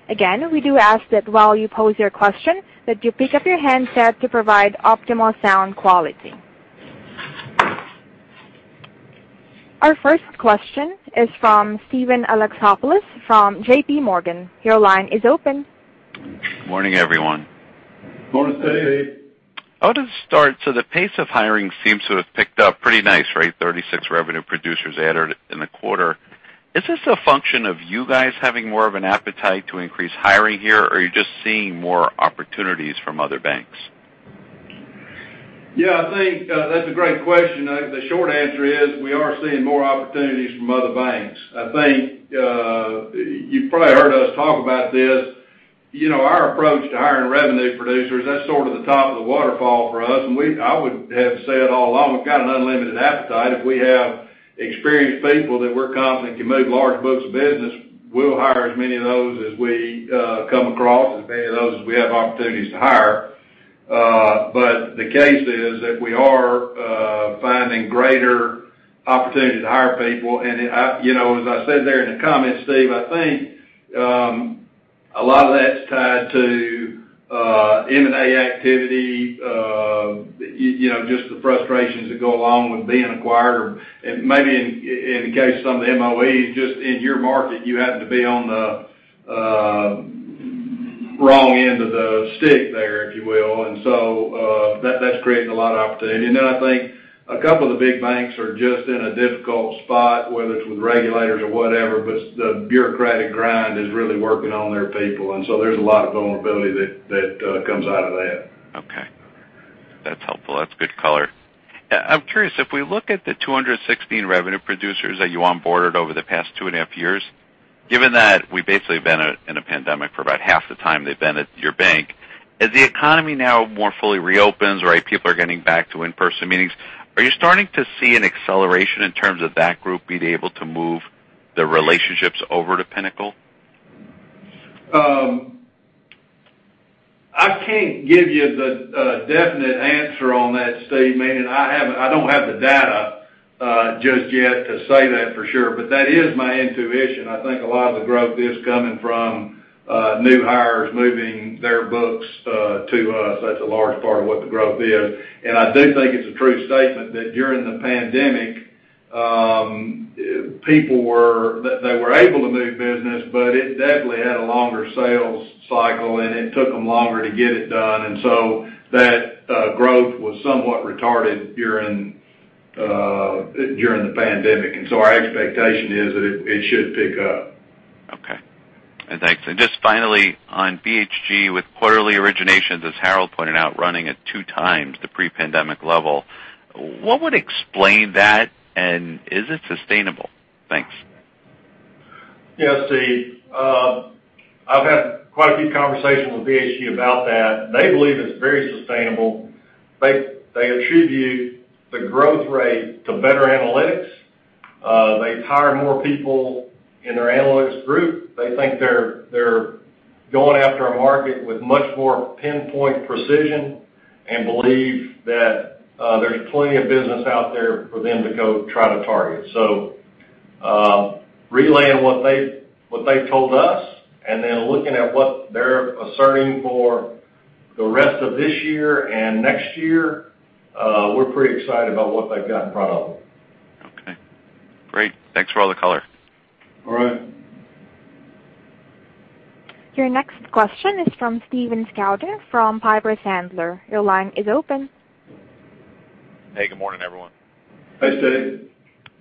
Speaker 1: Again, we do ask that while you pose your question, that you pick up your handset to provide optimal sound quality. Our first question is from Steven Alexopoulos from J.P. Morgan, your line is open.
Speaker 4: Morning, everyone.
Speaker 2: Morning, Steve.
Speaker 4: I ought to start, the pace of hiring seems to have picked up pretty nice, right? 36 revenue producers added in the quarter. Is this a function of you guys having more of an appetite to increase hiring here, or are you just seeing more opportunities from other banks?
Speaker 2: Yeah, I think that's a great question. The short answer is we are seeing more opportunities from other banks. I think, you've probably heard us talk about this. Our approach to hiring revenue producers, that's sort of the top of the waterfall for us, and I would have said all along, we've got an unlimited appetite. If we have experienced people that we're confident can move large books of business, we'll hire as many of those as we come across, as many of those as we have opportunities to hire. The case is that we are finding greater opportunity to hire people. As I said there in the comments, Steve, I think a lot of that's tied to M&A activity, just the frustrations that go along with being acquired. Maybe in the case of some of the MOEs, just in your market, you happen to be on the wrong end of the stick there, if you will. That's creating a lot of opportunity. I think a couple of the big banks are just in a difficult spot, whether it's with regulators or whatever, but the bureaucratic grind is really working on their people. There's a lot of vulnerability that comes out of that.
Speaker 4: Okay, that's helpful, that's good color. I'm curious, if we look at the 216 revenue producers that you onboarded over the past two and half years, given that we basically have been in a pandemic for about half the time they've been at your bank. As the economy now more fully reopens, right, people are getting back to in-person meetings, are you starting to see an acceleration in terms of that group being able to move their relationships over to Pinnacle?
Speaker 2: I can't give you the definite answer on that, Steve, meaning I don't have the data just yet to say that for sure, but that is my intuition. I think a lot of the growth is coming from new hires moving their books to us. That's a large part of what the growth is. I do think it's a true statement that during the pandemic, people were able to move business, but it definitely had a longer sales cycle, and it took them longer to get it done. That growth was somewhat retarded during the pandemic. Our expectation is that it should pick up.
Speaker 4: Okay, thanks. Just finally, on BHG, with quarterly originations, as Harold pointed out, running at two times the pre-pandemic level, what would explain that, and is it sustainable? Thanks.
Speaker 3: Steve, I've had quite a few conversations with BHG about that. They believe it's very sustainable. They attribute the growth rate to better analytics. They've hired more people in their analytics group. They think they're going after a market with much more pinpoint precision and believe that there's plenty of business out there for them to go try to target. Relaying what they've told us and then looking at what they're asserting for the rest of this year and next year, we're pretty excited about what they've got in front of them.
Speaker 4: Okay, great. Thanks for all the color.
Speaker 3: All right.
Speaker 1: Your next question is from Steven Scouten from Piper Sandler, your line is open.
Speaker 5: Hey, good morning, everyone.
Speaker 2: Hey, Steve.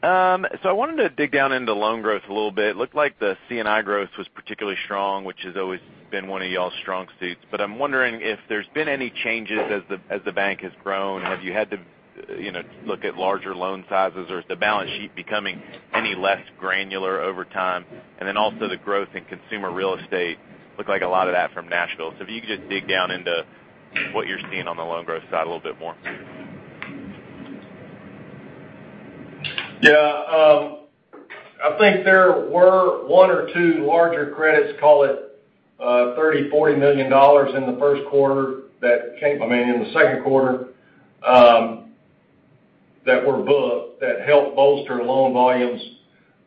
Speaker 5: I wanted to dig down into loan growth a little bit. Looked like the C&I growth was particularly strong, which has always been one of y'all's strong suits. I'm wondering if there's been any changes as the bank has grown. Have you had to look at larger loan sizes, or is the balance sheet becoming any less granular over time? The growth in consumer real estate looked like a lot of that from Nashville. If you could just dig down into what you're seeing on the loan growth side a little bit more?
Speaker 3: Yeah, I think there were one or two larger credits, call it $30 million, $40 million, in the first quarter I mean, in the second quarter, that were booked that helped bolster loan volumes.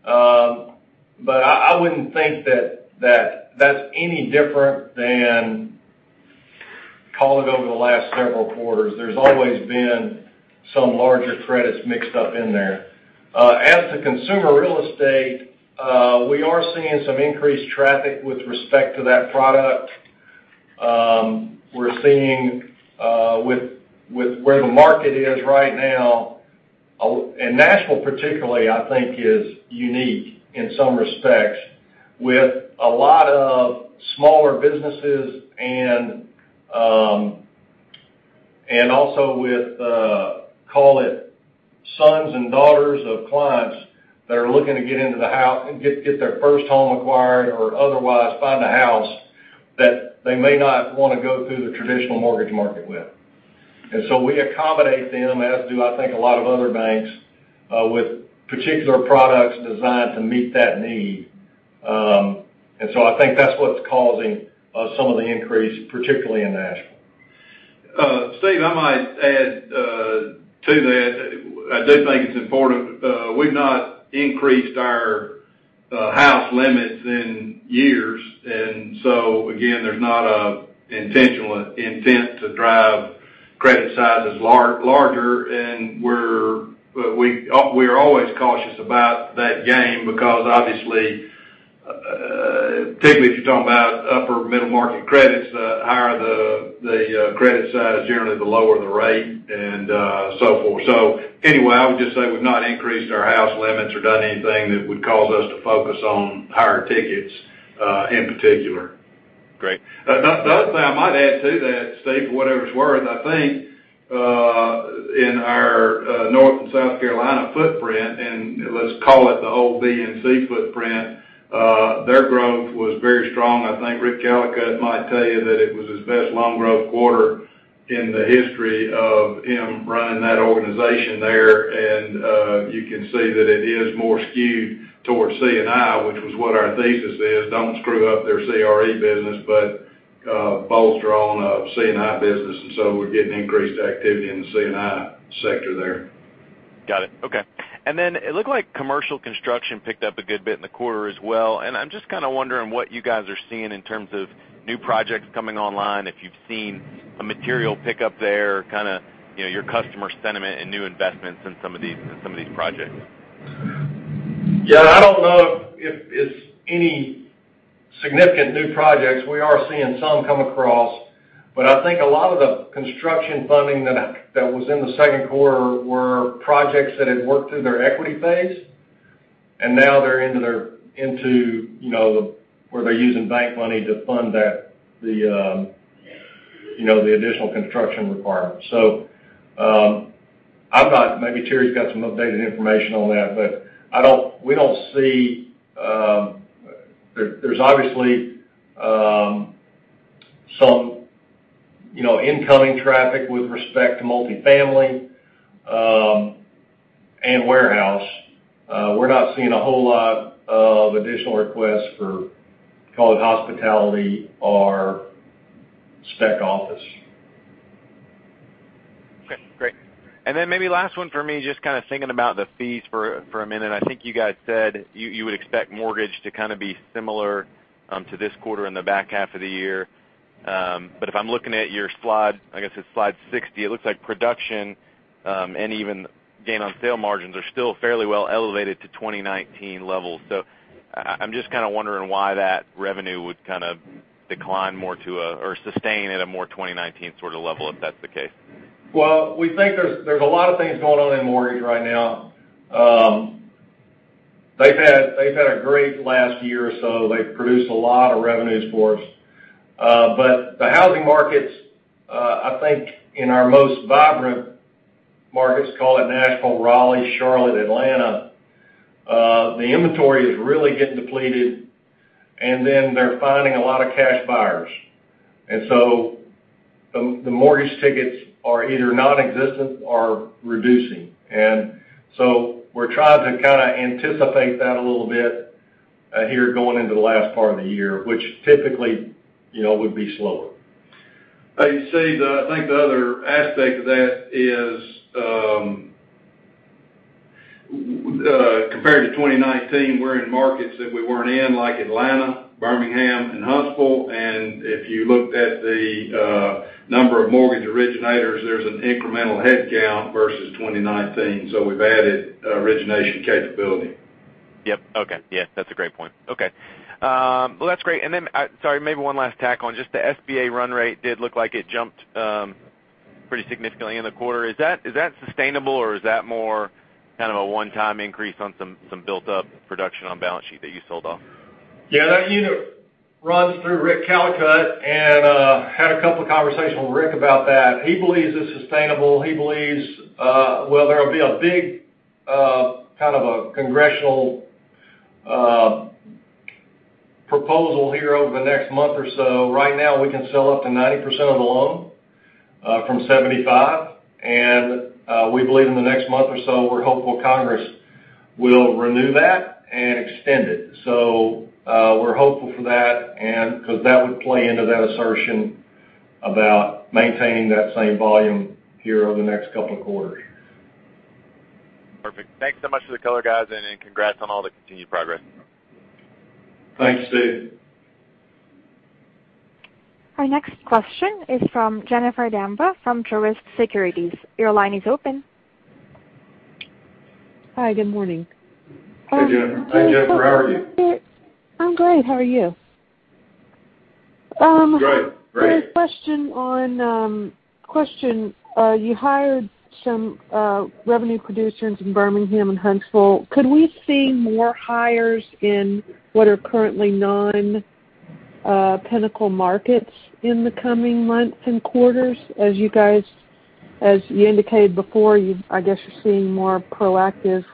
Speaker 3: I wouldn't think that that's any different than call it over the last several quarters, there's always been some larger credits mixed up in there. As to consumer real estate, we are seeing some increased traffic with respect to that product. We're seeing with where the market is right now, and Nashville particularly, I think is unique in some respects, with a lot of smaller businesses and also with, call it, sons and daughters of clients that are looking to get their first home acquired or otherwise find a house that they may not want to go through the traditional mortgage market with. We accommodate them, as do I think a lot of other banks, with particular products designed to meet that need. I think that's what's causing some of the increase, particularly in Nashville.
Speaker 2: Steve, I might add to that. I do think it's important. We've not increased our house limits in years. Again, there's not an intent to drive credit sizes larger. We're always cautious about that game because obviously, particularly if you're talking about upper middle market credits, the higher the credit size, generally the lower the rate, and so forth. Anyway, I would just say we've not increased our house limits or done anything that would cause us to focus on higher tickets in particular.
Speaker 5: Great.
Speaker 2: The other thing I might add to that, Steve, for whatever it's worth, I think, in our North and South Carolina footprint, and let's call it the whole BNC footprint, their growth was very strong. I think Rick Callicutt might tell you that it was his best loan growth quarter in the history of him running that organization there. You can see that it is more skewed towards C&I, which was what our thesis is. Don't screw up their CRE business, but bolster on a C&I business. We're getting increased activity in the C&I sector there.
Speaker 5: Got it, okay. It looked like commercial construction picked up a good bit in the quarter as well, and I'm just kind of wondering what you guys are seeing in terms of new projects coming online, if you've seen a material pick up there, kind of your customer sentiment and new investments in some of these projects.
Speaker 3: Yeah, I don't know if it's any significant new projects. We are seeing some come across, but I think a lot of the construction funding that was in the second quarter were projects that had worked through their equity phase, and now they're into where they're using bank money to fund the additional construction requirements. maybe Terry's got some updated information on that, but there's obviously some incoming traffic with respect to multifamily and warehouse. We're not seeing a whole lot of additional requests for, call it hospitality or spec office.
Speaker 5: Okay, great. Maybe last one for me, just kind of thinking about the fees for a minute. I think you guys said you would expect mortgage to kind of be similar to this quarter in the back half of the year. If I'm looking at your slide, I guess it's slide 60, it looks like production, and even gain on sale margins, are still fairly well elevated to 2019 levels. I'm just kind of wondering why that revenue would kind of decline more to a, or sustain at a more 2019 sort of level, if that's the case.
Speaker 3: Well, we think there's a lot of things going on in mortgage right now. They've had a great last year or so. They've produced a lot of revenues for us. The housing markets, I think, in our most vibrant markets, call it Nashville, Raleigh, Charlotte, Atlanta, the inventory is really getting depleted, and then they're finding a lot of cash buyers. The mortgage tickets are either nonexistent or reducing. We're trying to kind of anticipate that a little bit here going into the last part of the year, which typically, would be slower.
Speaker 2: Steve, I think the other aspect of that is, compared to 2019, we're in markets that we weren't in, like Atlanta, Birmingham, and Huntsville, and if you looked at the number of mortgage originators, there's an incremental headcount versus 2019, we've added origination capability.
Speaker 5: Yep, okay. Yeah, that's a great point, okay. Well, that's great, then, sorry, maybe one last tack on just the SBA run rate. Did look like it jumped pretty significantly in the quarter. Is that sustainable, or is that more kind of a one-time increase on some built-up production on balance sheet that you sold off?
Speaker 3: Yeah, that unit runs through Rick Callicutt and had a couple conversations with Rick about that. He believes it's sustainable. He believes, well, there will be a big kind of a congressional proposal here over the next month or so. Right now, we can sell up to 90% of the loan from 75%, and we believe in the next month or so, we're hopeful Congress will renew that and extend it. We're hopeful for that, because that would play into that assertion about maintaining that same volume here over the next couple of quarters.
Speaker 5: Perfect, thanks so much for the color, guys, and congrats on all the continued progress.
Speaker 2: Thanks, Steve.
Speaker 1: Our next question is from Jennifer Demba from Truist Securities, your line is open.
Speaker 6: Hi, good morning.
Speaker 2: Hey, Jennifer, how are you?
Speaker 6: I'm great, how are you?
Speaker 2: Good, great.
Speaker 6: I had a question, you hired some revenue producers in Birmingham and Huntsville. Could we see more hires in what are currently non-Pinnacle markets in the coming months and quarters? As you indicated before, I guess you're seeing more proactive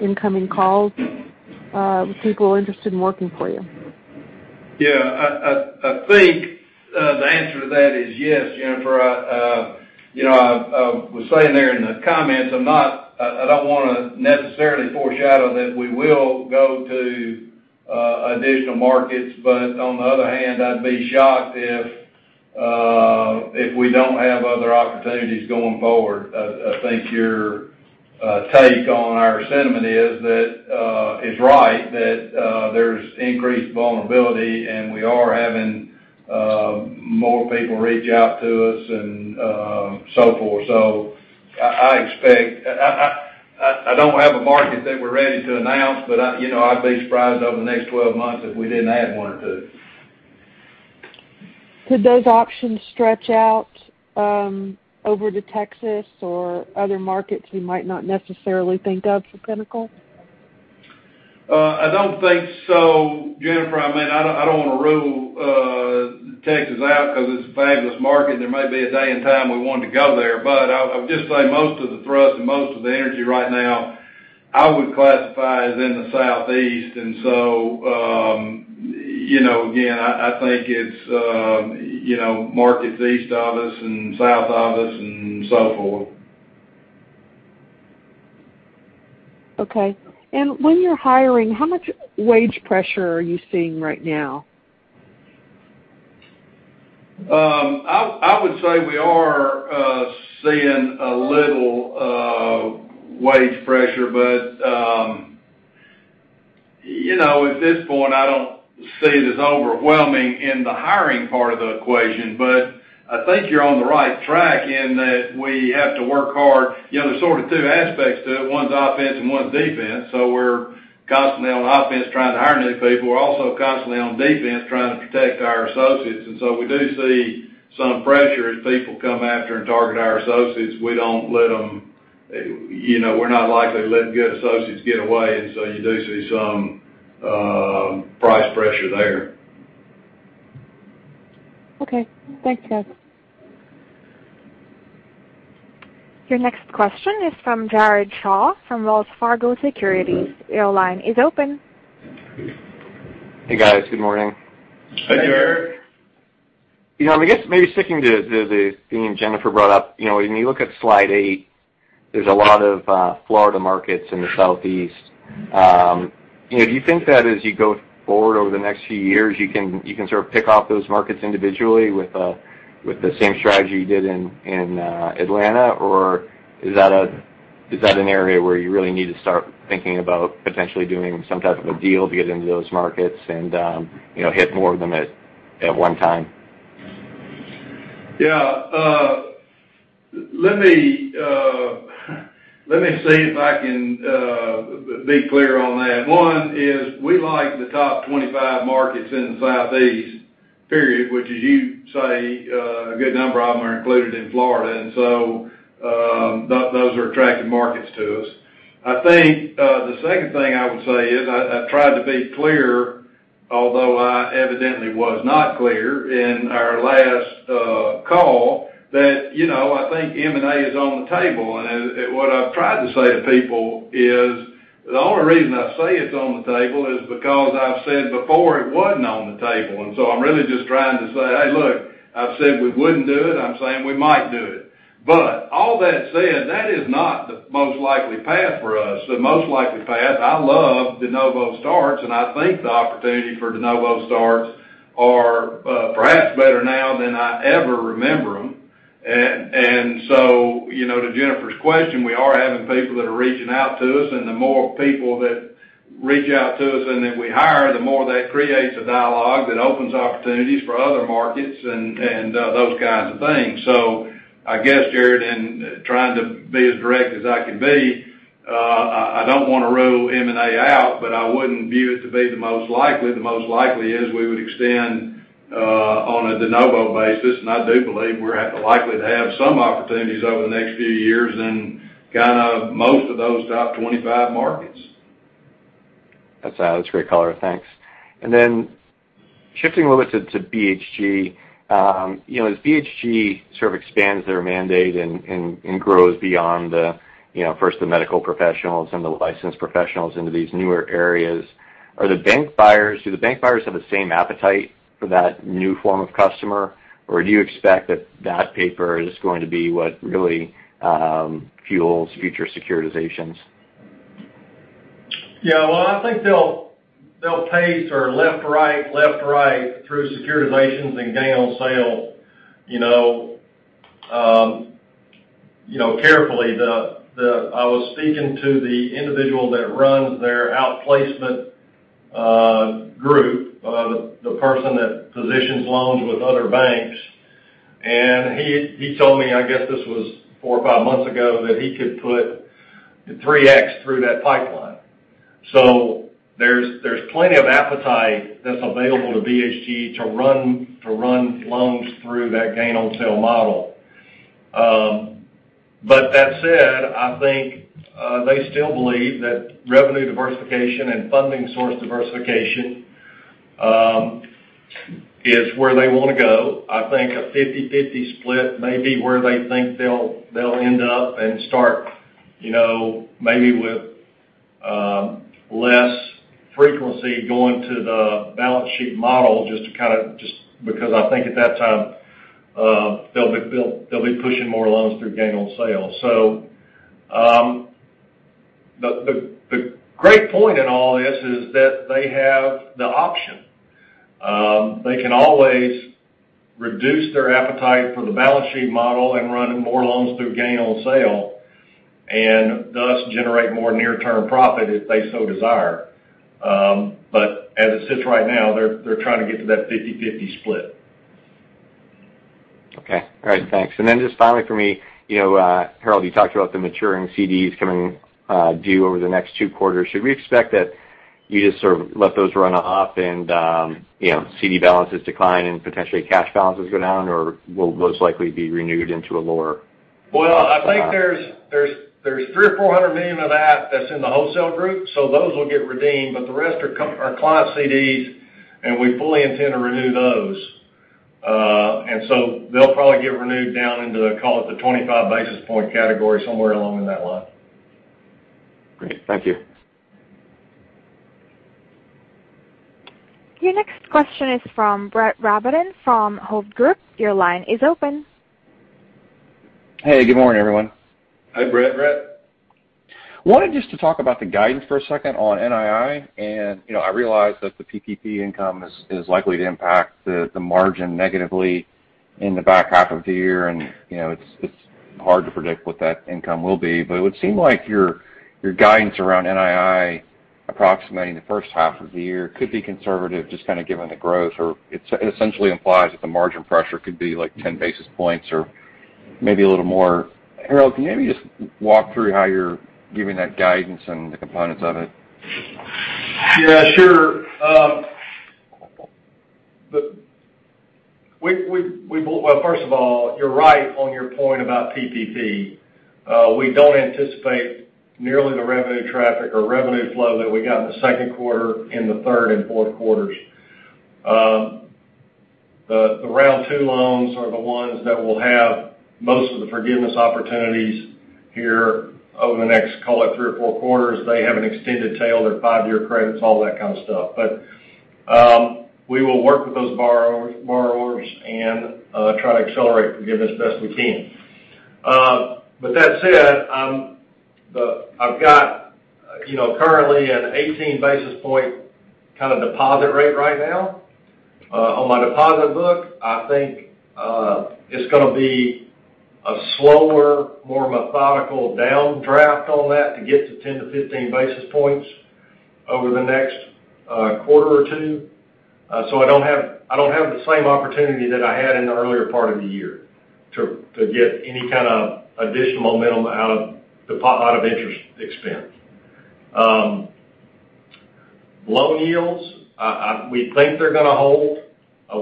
Speaker 6: incoming calls, with people interested in working for you.
Speaker 2: I think the answer to that is yes, Jennifer. I was saying there in the comments, I don't want to necessarily foreshadow that we will go to additional markets. On the other hand, I'd be shocked if we don't have other opportunities going forward. I think your take on our sentiment is right, that there's increased vulnerability, and we are having more people reach out to us and so forth. I don't have a market that we're ready to announce, but I'd be surprised over the next 12 months if we didn't add one or two.
Speaker 6: Could those options stretch out over to Texas or other markets we might not necessarily think of for Pinnacle?
Speaker 2: I don't think so, Jennifer. I don't want to rule Texas out because it's a fabulous market, and there may be a day and time we want to go there. I would just say most of the thrust and most of the energy right now, I would classify as in the Southeast. Again, I think it's markets east of us and south of us and so forth.
Speaker 6: Okay, when you're hiring, how much wage pressure are you seeing right now?
Speaker 2: I would say we are seeing a little wage pressure, at this point, I don't see it as overwhelming in the hiring part of the equation. I think you're on the right track in that we have to work hard. There's sort of two aspects to it. One's offense and one's defense. We're constantly on offense trying to hire new people. We're also constantly on defense trying to protect our associates. We do see some pressure as people come after and target our associates. We're not likely to let good associates get away, and so you do see some price pressure there.
Speaker 6: Okay, thanks, guys.
Speaker 1: Your next question is from Jared Shaw from Wells Fargo Securities, your line is open.
Speaker 7: Hey, guys, good morning.
Speaker 2: Hey, Jared.
Speaker 7: I guess maybe sticking to the theme Jennifer brought up, when you look at slide eight, there's a lot of Florida markets in the Southeast. Do you think that as you go forward over the next few years, you can sort of pick off those markets individually with the same strategy you did in Atlanta? Or is that an area where you really need to start thinking about potentially doing some type of a deal to get into those markets and hit more of them at one time?
Speaker 2: Yeah, let me see if I can be clear on that. One is we like the top 25 markets in the Southeast, period, which as you say, a good number of them are included in Florida, and so those are attractive markets to us. I think the second thing I would say is I tried to be clear, although I evidently was not clear in our last call that I think M&A is on the table. What I've tried to say to people is the only reason I say it's on the table is because I've said before it wasn't on the table, and so I'm really just trying to say, "Hey, look, I've said we wouldn't do it. I'm saying we might do it." All that said, that is not the most likely path for us. The most likely path, I love de novo starts, and I think the opportunity for de novo starts are perhaps better now than I ever remember them. To Jennifer's question, we are having people that are reaching out to us, and the more people that reach out to us and that we hire, the more that creates a dialogue that opens opportunities for other markets and those kinds of things. I guess, Jared, in trying to be as direct as I can be, I don't want to rule M&A out, but I wouldn't view it to be the most likely. The most likely is we would extend on a de novo basis, and I do believe we're likely to have some opportunities over the next few years in most of those top 25 markets.
Speaker 7: That's great color, thanks. Shifting a little bit to BHG, as BHG sort of expands their mandate and grows beyond first the medical professionals and the licensed professionals into these newer areas, do the bank buyers have the same appetite for that new form of customer? Do you expect that that paper is going to be what really fuels future securitizations?
Speaker 3: Yeah, well, I think they'll pace or left, right, left, right through securitizations and gain on sales carefully. I was speaking to the individual that runs their outplacement group, the person that positions loans with other banks, and he told me, I guess this was four or five months ago, that he could put 3x through that pipeline. There's plenty of appetite that's available to BHG to run loans through that gain on sale model. That said, I think they still believe that revenue diversification and funding source diversification is where they want to go. I think a 50/50 split may be where they think they'll end up and start maybe with less frequency going to the balance sheet model just because I think at that time, they'll be pushing more loans through gain on sale. The great point in all this is that they have the option. They can always reduce their appetite for the balance sheet model and run more loans through gain on sale and thus generate more near-term profit if they so desire. As it sits right now, they're trying to get to that 50/50 split.
Speaker 7: Okay, all right, thanks. Then just finally from me, Harold, you talked about the maturing CDs coming due over the next two quarters. Should we expect that you just sort of let those run off and CD balances decline and potentially cash balances go down or will those likely be renewed into a lower-
Speaker 3: Well, I think there's $300 million or $400 million of that that's in the wholesale group, so those will get redeemed. The rest are client CDs, and we fully intend to renew those. They'll probably get renewed down into, call it, the 25 basis point category, somewhere along in that lot.
Speaker 7: Great, thank you.
Speaker 1: Your next question is from Brett Rabatin from Hovde Group, your line is open.
Speaker 8: Hey, good morning, everyone.
Speaker 3: Hi, Brett.
Speaker 8: Wanted just to talk about the guidance for a second on NII, and I realize that the PPP income is likely to impact the margin negatively in the back half of the year, and it's hard to predict what that income will be. It would seem like your guidance around NII approximating the first half of the year could be conservative, just kind of given the growth, or it essentially implies that the margin pressure could be 10 basis points or maybe a little more. Harold, can you maybe just walk through how you're giving that guidance and the components of it?
Speaker 3: Yeah, sure. First of all, you're right on your point about PPP. We don't anticipate nearly the revenue traffic or revenue flow that we got in the second quarter, in the third and fourth quarters. The round two loans are the ones that will have most of the forgiveness opportunities here over the next, call it three or four quarters. They have an extended tail, their five-year credits, all that kind of stuff. We will work with those borrowers and try to accelerate forgiveness as best we can. With that said, I've got currently an 18 basis point kind of deposit rate right now. On my deposit book, I think it's going to be a slower, more methodical downdraft on that to get to 10 basis points-15 basis points over the next quarter or two. I don't have the same opportunity that I had in the earlier part of the year to get any kind of additional momentum out of interest expense. Loan yields, we think they're going to hold.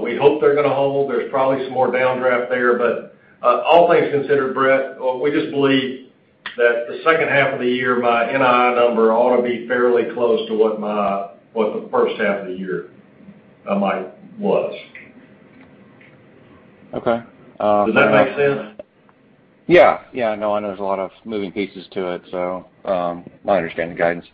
Speaker 3: We hope they're going to hold, there's probably some more downdraft there. All things considered, Brett, we just believe that the second half of the year, my NII number ought to be fairly close to what the first half of the year of mine was.
Speaker 8: Okay.
Speaker 3: Does that make sense?
Speaker 8: Yeah, I know there's a lot of moving pieces to it, so I understand the guidance.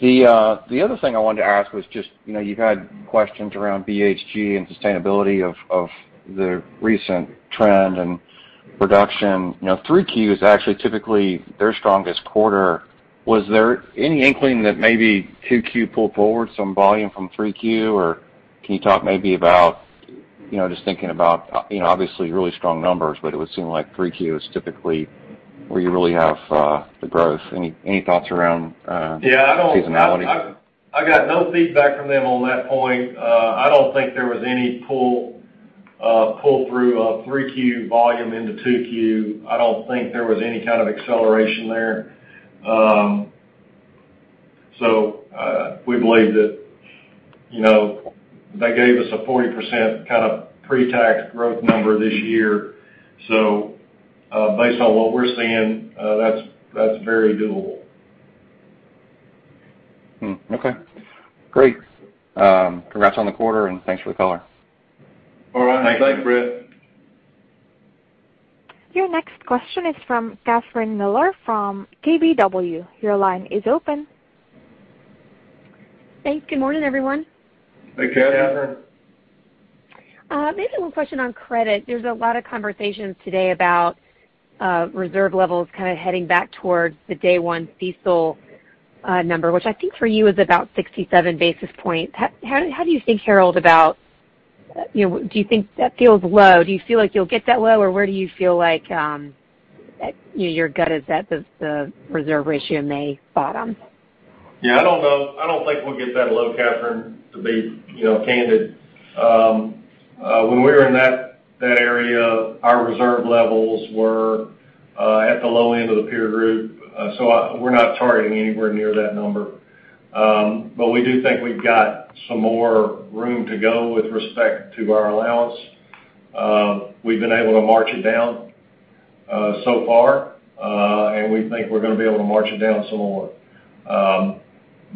Speaker 8: The other thing I wanted to ask was just, you've had questions around BHG and sustainability of the recent trend and production. 3Q is actually typically their strongest quarter. Was there any inkling that maybe 2Q pulled forward some volume from 3Q? Can you talk maybe about, just thinking about obviously really strong numbers, but it would seem like 3Q is typically where you really have the growth. Any thoughts around seasonality?
Speaker 3: Yeah, I got no feedback from them on that point. I don't think there was any pull through of 3Q volume into 2Q. I don't think there was any kind of acceleration there. We believe that they gave us a 40% kind of pre-tax growth number this year. Based on what we're seeing, that's very doable.
Speaker 8: Okay, great. Congrats on the quarter, and thanks for the color.
Speaker 3: All right, thanks, Brett.
Speaker 1: Your next question is from Catherine Mealor from KBW.
Speaker 9: Thanks, good morning, everyone.
Speaker 3: Hey, Catherine.
Speaker 9: Maybe one question on credit. There's a lot of conversations today about reserve levels heading back towards the day one CECL number, which I think for you is about 67 basis points. How do you think, Harold, do you think that feels low? Do you feel like you'll get that low? Or where do you feel like your gut is that the reserve ratio may bottom?
Speaker 3: Yeah, I don't know, I don't think we'll get that low, Catherine, to be candid. When we were in that area, our reserve levels were at the low end of the peer group. We're not targeting anywhere near that number. We do think we've got some more room to go with respect to our allowance. We've been able to march it down so far, and we think we're going to be able to march it down some more.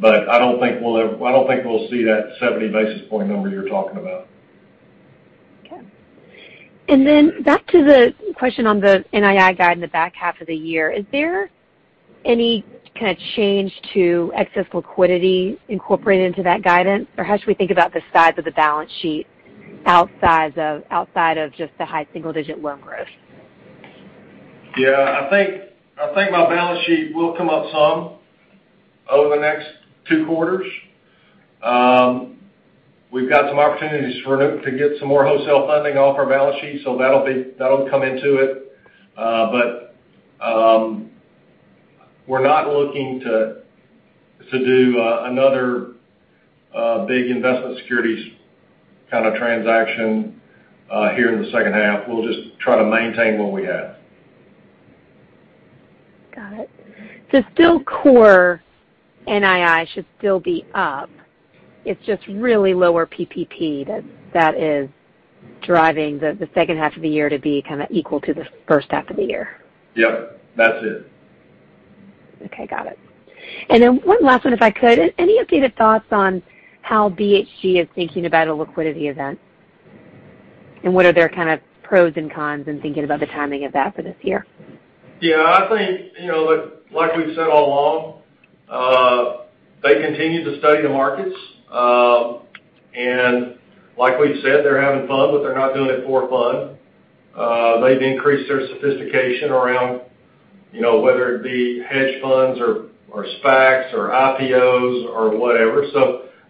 Speaker 3: I don't think we'll see that 70 basis point number you're talking about.
Speaker 9: Okay, back to the question on the NII guide in the back half of the year, is there any kind of change to excess liquidity incorporated into that guidance? How should we think about the size of the balance sheet outside of just the high single-digit loan growth?
Speaker 3: Yeah, I think my balance sheet will come up some over the next two quarters. We've got some opportunities to get some more wholesale funding off our balance sheet, so that'll come into it. We're not looking to do another big investment securities kind of transaction here in the second half. We'll just try to maintain what we have.
Speaker 9: Got it, still, core NII should still be up. It's just really lower PPP that is driving the second half of the year to be kind of equal to the first half of the year.
Speaker 3: Yep, that's it.
Speaker 9: Okay, got it. One last one, if I could. Any updated thoughts on how BHG is thinking about a liquidity event? What are their pros and cons in thinking about the timing of that for this year?
Speaker 3: Yeah, I think, like we've said all along, they continue to study the markets. Like we've said, they're having fun, but they're not doing it for fun. They've increased their sophistication around whether it be hedge funds or SPACs or IPOs or whatever.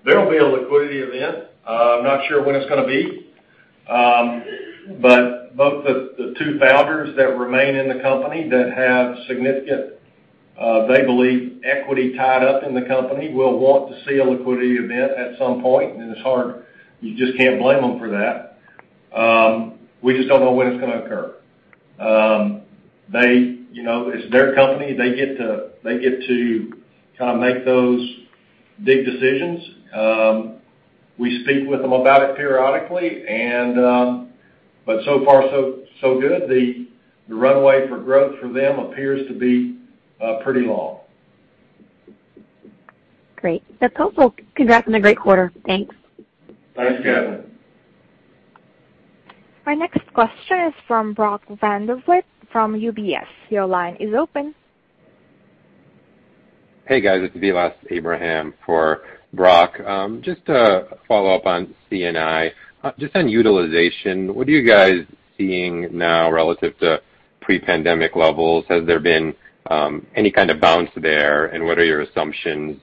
Speaker 3: There'll be a liquidity event, I'm not sure when it's going to be. Both the two founders that remain in the company that have significant, they believe, equity tied up in the company will want to see a liquidity event at some point, and you just can't blame them for that. We just don't know when it's going to occur. It's their company. They get to kind of make those big decisions. We speak with them about it periodically. So far, so good, the runway for growth for them appears to be pretty long.
Speaker 9: Great, that's helpful. Congrats on a great quarter, thanks.
Speaker 3: Thanks, Catherine.
Speaker 1: Our next question is from Brody Preston from UBS, your line is open.
Speaker 10: Hey, guys. It's Vilas Abraham for Brody. Just to follow up on C&I, just on utilization, what are you guys seeing now relative to pre-pandemic levels? Has there been any kind of bounce there, and what are your assumptions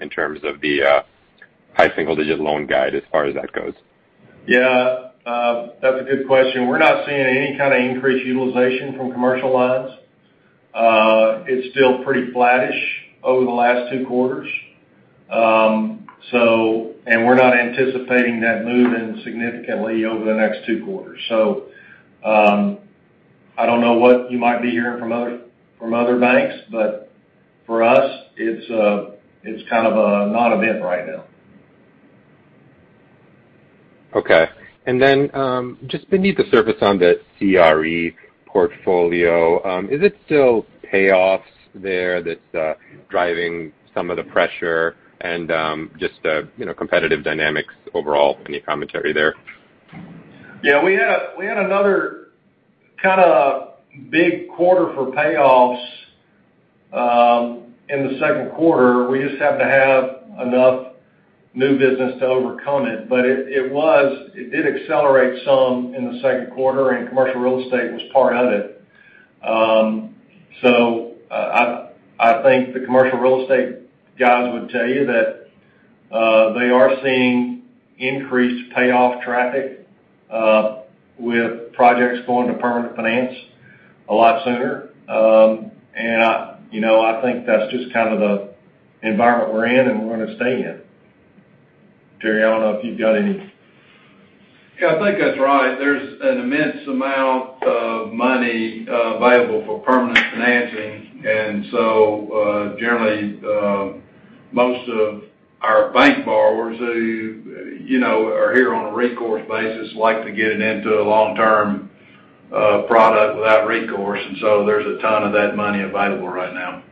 Speaker 10: in terms of the high single-digit loan guide as far as that goes?
Speaker 3: Yeah, that's a good question. We're not seeing any kind of increased utilization from commercial loans. It's still pretty flattish over the last two quarters. We're not anticipating that moving significantly over the next two quarters. I don't know what you might be hearing from other banks, but for us, it's kind of a non-event right now.
Speaker 10: Okay, just beneath the surface on the CRE portfolio, is it still payoffs there that is driving some of the pressure and just the competitive dynamics overall? Any commentary there?
Speaker 3: Yeah, we had another kind of big quarter for payoffs in the second quarter. We just happened to have enough new business to overcome it. It did accelerate some in the second quarter, and commercial real estate was part of it. I think the commercial real estate guys would tell you that they are seeing increased payoff traffic with projects going to permanent finance a lot sooner. I think that's just kind of the environment we're in and we're going to stay in. Terry, I don't know if you've got any.
Speaker 2: Yeah, I think that's right. There's an immense amount of money available for permanent financing. Generally, most of our bank borrowers who are here on a recourse basis like to get it into a long-term product without recourse. There's a ton of that money available right now.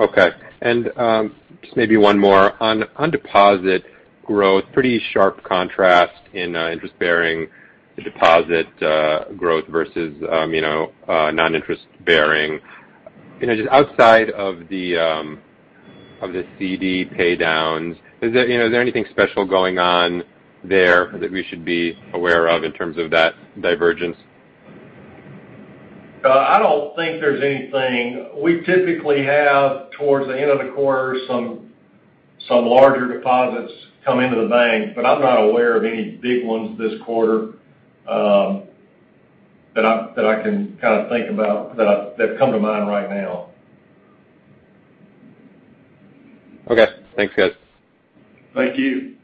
Speaker 10: Okay, just maybe one more. On deposit growth, pretty sharp contrast in interest-bearing deposit growth versus non-interest bearing. Just outside of the CD paydowns, is there anything special going on there that we should be aware of in terms of that divergence?
Speaker 3: I don't think there's anything. We typically have, towards the end of the quarter, some larger deposits come into the bank, but I'm not aware of any big ones this quarter that I can think about that come to mind right now.
Speaker 10: Okay, thanks, guys.
Speaker 3: Thank you.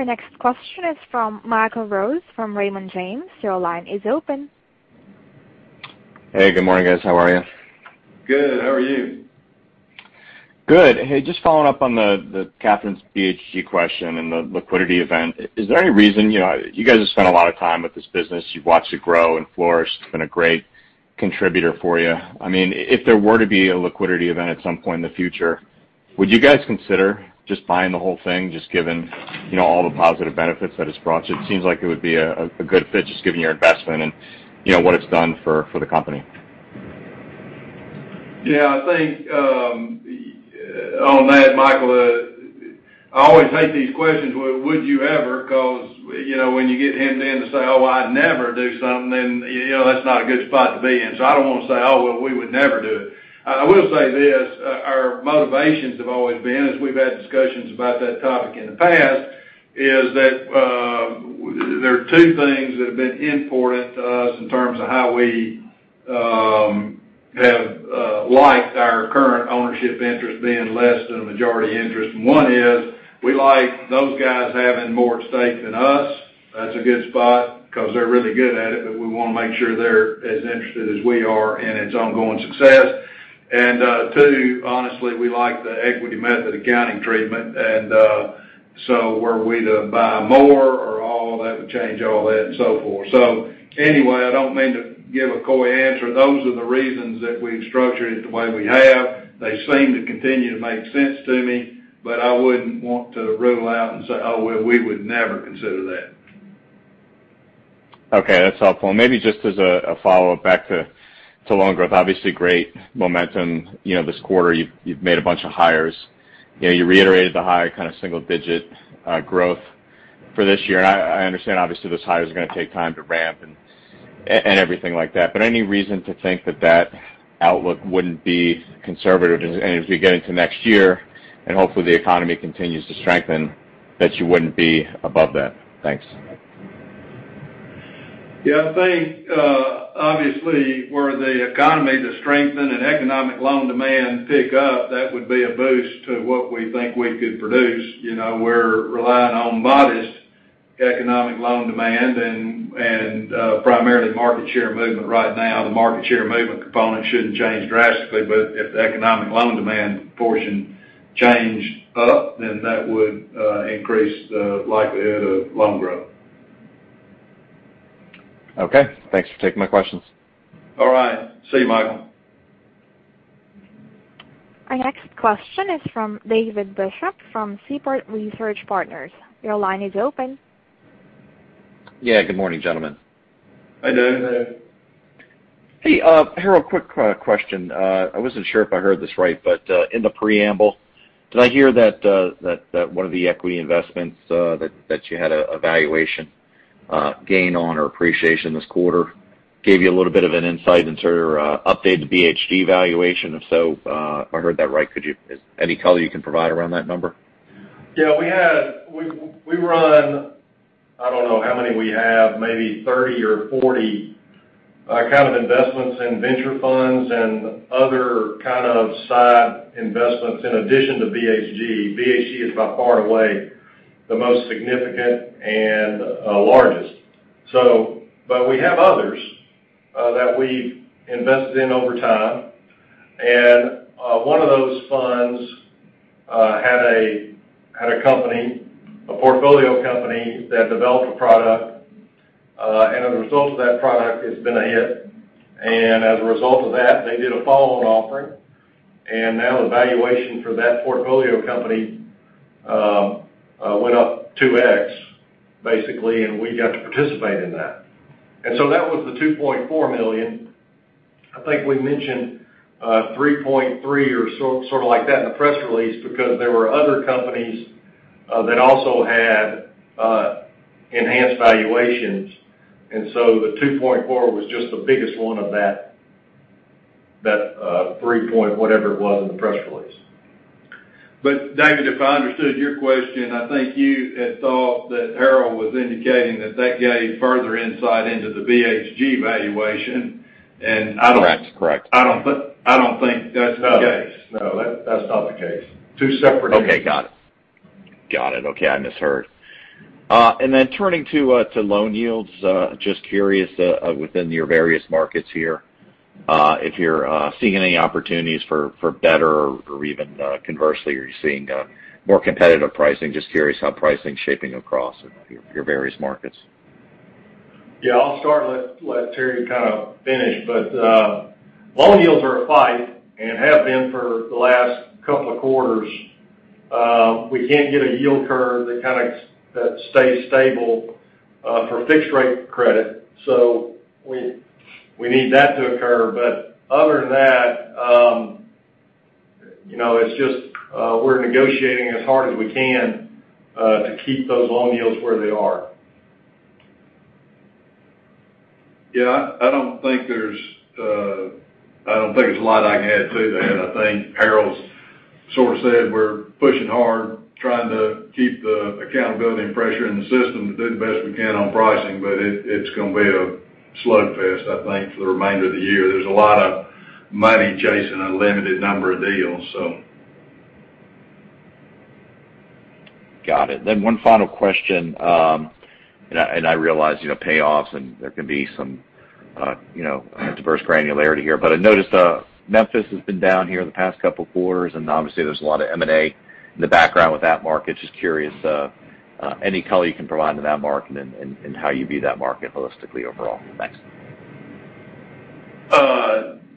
Speaker 1: Our next question is from Michael Rose, from Raymond James, your line is open.
Speaker 11: Hey. Good morning, guys, how are you?
Speaker 2: Good, how are you?
Speaker 11: Good, just following up on the Catherine's BHG question and the liquidity event. Is there any reason you guys have spent a lot of time with this business? You've watched it grow and flourish. It's been a great contributor for you. If there were to be a liquidity event at some point in the future, would you guys consider just buying the whole thing, just given all the positive benefits that it's brought you? It seems like it would be a good fit, just given your investment and what it's done for the company.
Speaker 2: Yeah, I think on that, Michael, I always hate these questions, "Well, would you ever?" Because when you get hemmed in to say, "Oh, I'd never do something," then that's not a good spot to be in. I don't want to say, "Oh, well, we would never do it." I will say this, our motivations have always been, as we've had discussions about that topic in the past, is that there are two things that have been important to us in terms of how we have liked our current ownership interest being less than a majority interest, and one is, we like those guys having more at stake than us. That's a good spot because they're really good at it, but we want to make sure they're as interested as we are in its ongoing success. Two, honestly, we like the equity method accounting treatment. Were we to buy more or all of it, that would change all that and so forth. Anyway, I don't mean to give a coy answer. Those are the reasons that we've structured it the way we have. They seem to continue to make sense to me, but I wouldn't want to rule out and say, "Oh, well, we would never consider that.
Speaker 11: Okay, that's helpful. Maybe just as a follow-up back to loan growth, obviously great momentum this quarter, you've made a bunch of hires. You reiterated the high kind of single-digit growth for this year. I understand, obviously, those hires are going to take time to ramp and everything like that. Any reason to think that outlook wouldn't be conservative as we get into next year, and hopefully the economy continues to strengthen, that you wouldn't be above that? Thanks.
Speaker 2: Yeah, I think, obviously, were the economy to strengthen and economic loan demand pick up, that would be a boost to what we think we could produce. We're relying on modest economic loan demand and primarily market share movement right now. The market share movement component shouldn't change drastically, but if the economic loan demand portion changed up, then that would increase the likelihood of loan growth.
Speaker 11: Okay, thanks for taking my questions.
Speaker 2: All right, see you, Michael.
Speaker 1: Our next question is from David Bishop from Seaport Research Partners, your line is open.
Speaker 12: Yeah, good morning, gentlemen.
Speaker 2: Hi, David.
Speaker 12: Hey, Harold, quick question. I wasn't sure if I heard this right, but in the preamble, did I hear that one of the equity investments that you had a valuation gain on or appreciation this quarter gave you a little bit of an insight and sort of updated the BHG valuation? If so, if I heard that right, any color you can provide around that number?
Speaker 3: Yeah, we run, I don't know how many we have, maybe 30 or 40 kind of investments in venture funds and other kind of side investments in addition to BHG. BHG is by far and away the most significant and largest. We have others that we've invested in over time. One of those funds had a company, a portfolio company, that developed a product. As a result of that product, it's been a hit. As a result of that, they did a follow-on offering. Now the valuation for that portfolio company went up 2x, basically, and we got to participate in that. That was the $2.4 million. I think we mentioned $3.3 million or sort of like that in the press release because there were other companies that also had enhanced valuations. The $2.4 was just the biggest one of that 3 point whatever it was in the press release.
Speaker 2: David, if I understood your question, I think you had thought that Harold was indicating that gave further insight into the BHG valuation, and I don't-
Speaker 12: That's correct.
Speaker 2: I don't think that's the case.
Speaker 3: No, that's not the case.
Speaker 2: Two separate entities.
Speaker 12: Okay, got it. Got it, okay, I misheard. Turning to loan yields, just curious, within your various markets here, if you're seeing any opportunities for better or even conversely, are you seeing more competitive pricing? Just curious how pricing's shaping across your various markets.
Speaker 3: Yeah, I'll start and let Terry kind of finish. Loan yields are a fight and have been for the last couple of quarters. We can't get a yield curve that stays stable for fixed rate credit. We need that to occur, other than that, we're negotiating as hard as we can to keep those loan yields where they are.
Speaker 2: Yeah, I don't think there's a lot I can add to that. I think Harold sort of said we're pushing hard, trying to keep the accountability and pressure in the system to do the best we can on pricing, but it's going to be a slugfest, I think, for the remainder of the year. There's a lot of money chasing a limited number of deals.
Speaker 12: Got it, one final question, and I realize payoffs and there can be some diverse granularity here, but I noticed Memphis has been down here the past couple of quarters, and obviously, there's a lot of M&A in the background with that market. Just curious, any color you can provide to that market and how you view that market holistically overall? Thanks.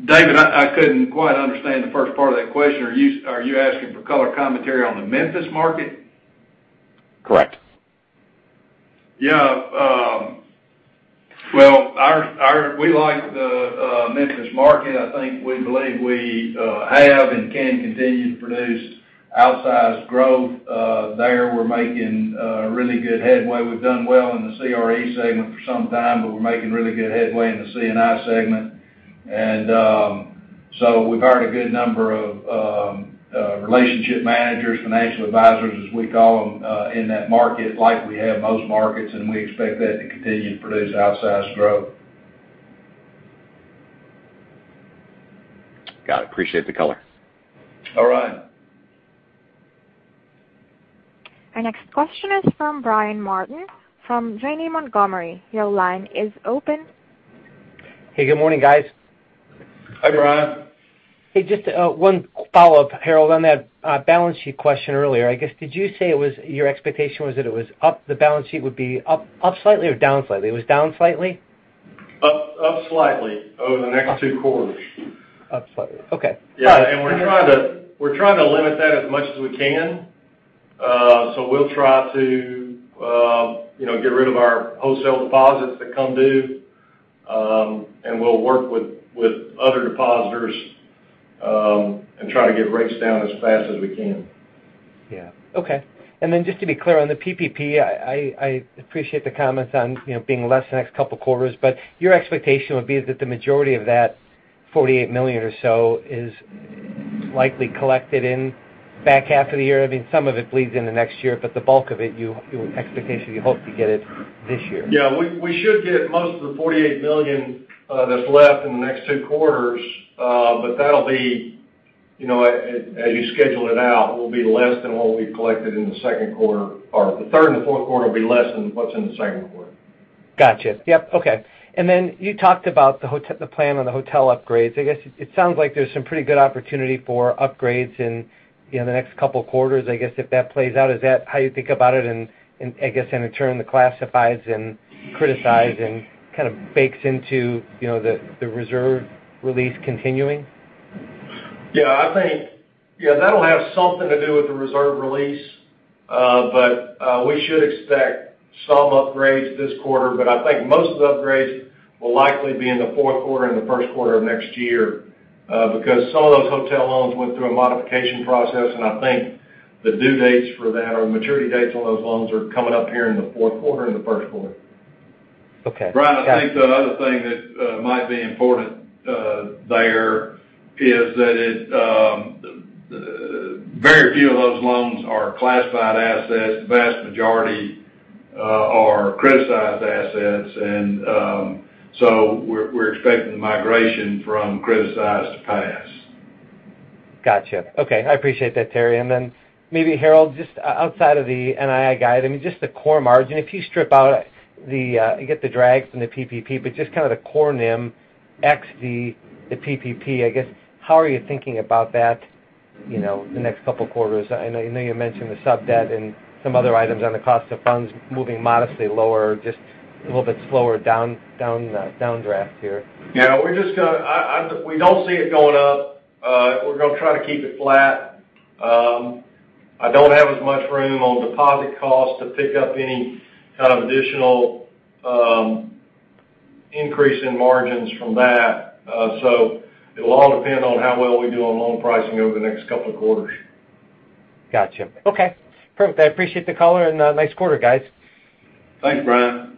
Speaker 2: David, I couldn't quite understand the first part of that question. Are you asking for color commentary on the Memphis market?
Speaker 12: Correct.
Speaker 2: Well, we like the Memphis market. I think we believe we have and can continue to produce outsized growth there. We're making really good headway. We've done well in the CRE segment for some time, but we're making really good headway in the C&I segment. We've hired a good number of relationship managers, financial advisors, as we call them, in that market, like we have most markets, and we expect that to continue to produce outsized growth.
Speaker 12: Got it, appreciate the color.
Speaker 2: All right.
Speaker 1: Our next question is from Brian Martin from Janney Montgomery Scott, your line is open.
Speaker 13: Hey, good morning, guys.
Speaker 3: Hi, Brian.
Speaker 13: Hey, just one follow-up, Harold, on that balance sheet question earlier. I guess, did you say your expectation was that it was up, the balance sheet would be up slightly or down slightly? It was down slightly?
Speaker 3: Up slightly over the next two quarters.
Speaker 13: Up slightly, okay.
Speaker 3: Yeah, we're trying to limit that as much as we can. We'll try to get rid of our wholesale deposits that come due, and we'll work with other depositors and try to get rates down as fast as we can.
Speaker 13: Yeah, okay. Just to be clear, on the PPP, I appreciate the comments on being less the next couple of quarters, your expectation would be that the majority of that $48 million or so is likely collected in the back half of the year. Some of it bleeds into next year, the bulk of it, your expectation, you hope to get it this year.
Speaker 3: Yeah, we should get most of the $48 million that's left in the next two quarters. That'll be, as you schedule it out, will be less than what we've collected in the second quarter, or the third and the fourth quarter will be less than what's in the second quarter.
Speaker 13: Got you, yep, okay. You talked about the plan on the hotel upgrades. I guess it sounds like there's some pretty good opportunity for upgrades in the next a couple quarters, I guess if that plays out. Is that how you think about it, I guess in turn, the classifieds and criticized and kind of bakes into the reserve release continuing?
Speaker 3: Yeah, I think that'll have something to do with the reserve release. We should expect some upgrades this quarter, but I think most of the upgrades will likely be in the fourth quarter and the first quarter of next year because some of those hotel loans went through a modification process, and I think the due dates for that, or maturity dates on those loans, are coming up here in the fourth quarter and the first quarter.
Speaker 13: Okay.
Speaker 2: Brian, I think the other thing that might be important there is that very few of those loans are classified assets. The vast majority are criticized assets. We're expecting the migration from criticized to pass.
Speaker 13: Got you, okay. I appreciate that, Terry. Maybe Harold, just outside of the NII guide, just the core margin. If you strip out, you get the drags from the PPP, but just kind of the core NIM ex the PPP, I guess, how are you thinking about that the next a couple quarters? I know you mentioned the sub-debt and some other items on the cost of funds moving modestly lower, just a little bit slower downdraft here.
Speaker 3: Yeah, we don't see it going up. We're going to try to keep it flat. I don't have as much room on deposit costs to pick up any kind of additional increase in margins from that. It will all depend on how well we do on loan pricing over the next couple of quarters.
Speaker 13: Got you, okay, perfect. I appreciate the color and nice quarter, guys.
Speaker 3: Thanks, Brian.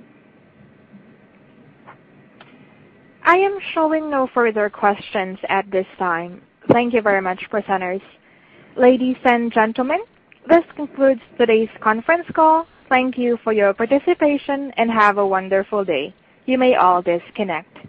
Speaker 1: I am showing no further questions at this time. Thank you very much, presenters. Ladies and gentlemen, this concludes today's conference call. Thank you for your participation, and have a wonderful day, you may all disconnect.